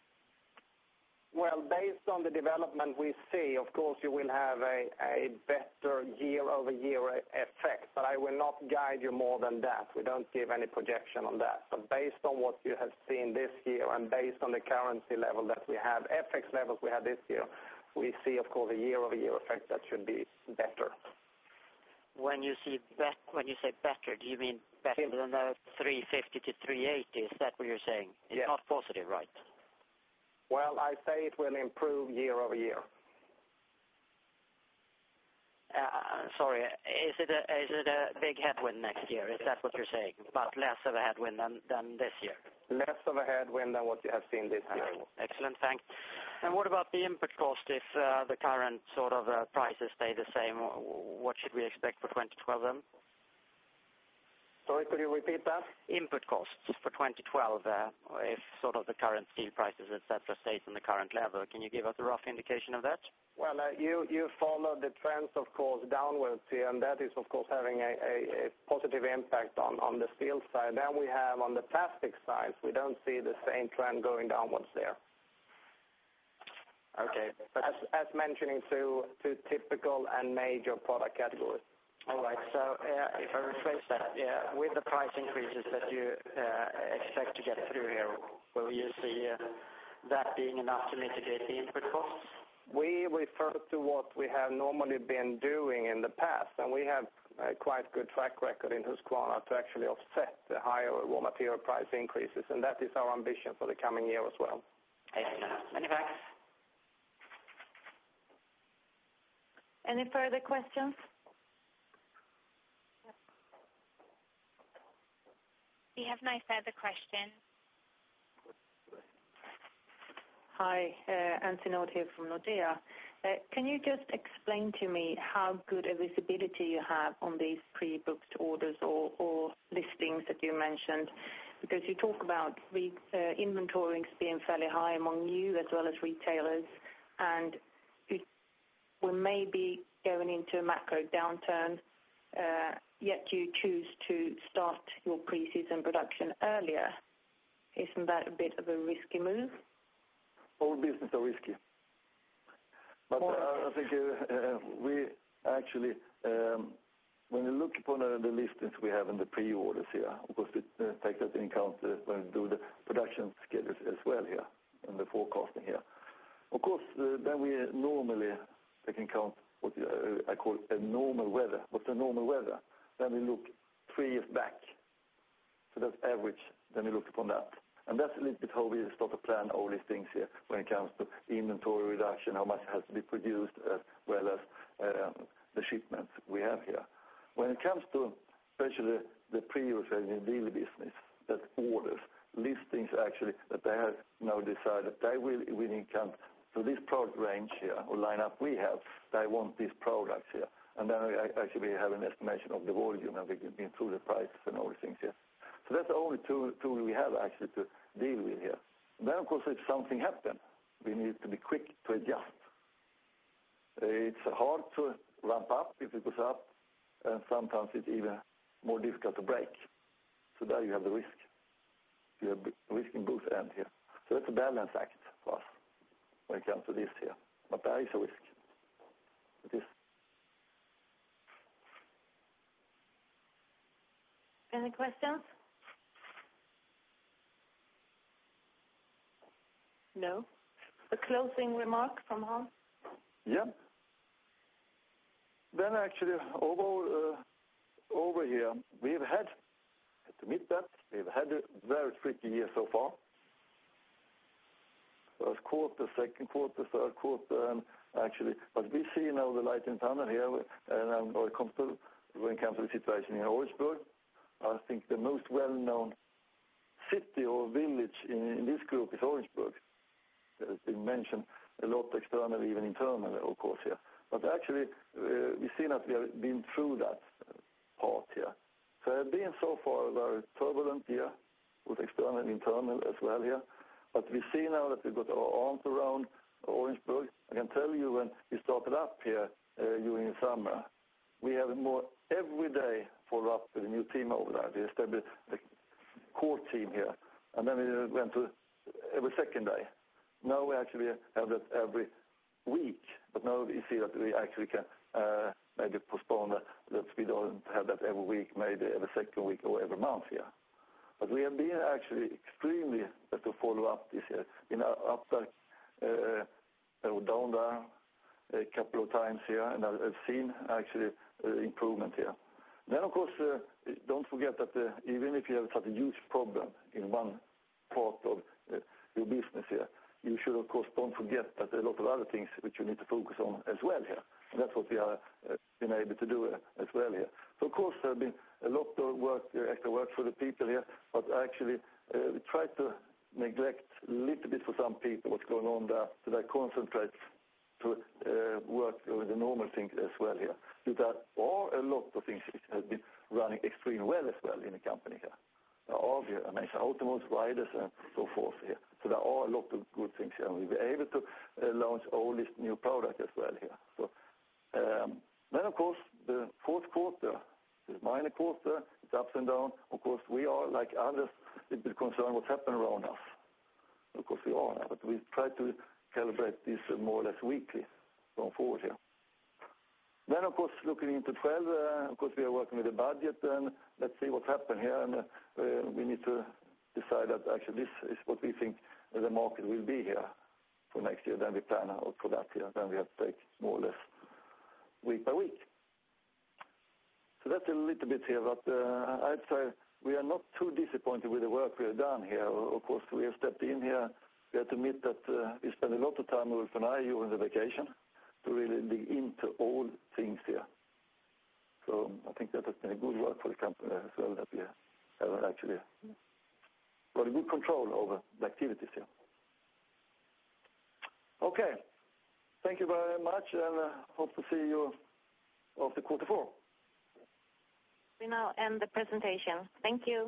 Based on the development we see, of course, you will have a better year-over-year effect. I will not guide you more than that. We don't give any projection on that. Based on what you have seen this year and based on the currency level that we have, FX levels we have this year, we see, of course, a year-over-year effect that should be better. When you say better, do you mean better than the 350 to 380? Is that what you're saying? Yeah. It's not positive, right? I say it will improve year-over-year. Sorry. Is it a big headwind next year? Is that what you're saying? It's about less of a headwind than this year? Less of a headwind than what you have seen this year. Excellent. Thanks. What about the input cost if the current sort of prices stay the same? What should we expect for 2012 then? Sorry, could you repeat that? Input costs for 2012, if the current steel prices, etc., stayed on the current level, can you give us a rough indication of that? You follow the trends, of course, downwards here. That is, of course, having a positive impact on the steel side. On the plastic sides, we don't see the same trend going downwards there. Okay. As mentioning to typical and major product categories. All right. If I rephrase that, with the price increases that you expect to get through here, will you see that being enough to mitigate the input costs? We refer to what we have normally been doing in the past. We have quite a good track record in Husqvarna to actually offset the higher raw material price increases. That is our ambition for the coming year as well. Anything else? Anybody? Any further questions? We have another question. Hi, Antoinette here from Nordea. Can you just explain to me how good a visibility you have on these pre-booked orders or listings that you mentioned? You talk about inventory being fairly high among you as well as retailers. We may be going into a macro downturn, yet you choose to start your preseason production earlier. Isn't that a bit of a risky move? All business is risky. I think we actually, when you look upon the listings we have in the pre-orders here, of course, we take that into account when we do the production schedules as well and the forecasting. We normally take into account what I call a normal weather. What's a normal weather? We look three years back to that average, then we look upon that. That's a little bit how we start to plan all these things when it comes to inventory reduction, how much has to be produced, as well as the shipments we have. When it comes to, especially, the pre-orders in the daily business, that orders, listings actually that they have now decided they will encounter. This product range or lineup we have, they want these products. We have an estimation of the volume and we can include the prices and all the things. That's the only tool we have actually to deal with. If something happened, we need to be quick to adjust. It's hard to ramp up if it goes up. Sometimes it's even more difficult to break. There you have the risk. You have risk in both ends. It's a balance act for us when it comes to this. There is a risk. Any questions? No? A closing remark from Hans? Yeah. Actually, overall, over here, we've had to meet that. We've had a very tricky year so far. First quarter, second quarter, third quarter, actually, we see now the light in the tunnel here. When it comes to the situation in Orangeburg, I think the most well-known city or village in this group is Orangeburg. It's been mentioned a lot externally, even internally, of course, here. Actually, we've seen that we have been through that part here. It's been so far very turbulent here with external and internal as well here. We see now that we've got our arms around Orangeburg. I can tell you when we started up here during the summer, we had more every day follow-up with a new team over there. They established a core team here. We went to every second day. Now we actually have that every week. We see that we actually can maybe postpone that so we don't have that every week, maybe every second week or every month here. We have been actually extremely to follow up this year in our upper or down there a couple of times here. I've seen actually improvement here. Of course, don't forget that even if you have such a huge problem in one part of your business here, you should, of course, don't forget that there are a lot of other things which you need to focus on as well here. That's what we are enabled to do as well here. Of course, there has been a lot of work, extra work for the people here. Actually, we try to neglect a little bit for some people what's going on there to concentrate to work on the normal thing as well here. There are a lot of things that have been running extremely well as well in the company here. There are Automowers, riders, and so forth here. There are a lot of good things here. We've been able to launch all these new products as well here. The fourth quarter, this minor quarter, it's ups and downs. Of course, we are like others. It will concern what's happening around us. Of course, we are now. We try to calibrate this more or less weekly going forward here. Looking into 2012, of course, we are working with the budget. Let's see what happened here. We need to decide that actually this is what we think the market will be here for next year. We plan out for that here. We have to take more or less week by week. That's a little bit here. I’d say we are not too disappointed with the work we have done here. Of course, we have stepped in here. We have to admit that we spent a lot of time over for now during the vacation to really dig into all things here. I think that has been good work for the company as well, that we have actually got good control over the activities here. Thank you very much. I hope to see you at the quarter four. We now end the presentation. Thank you.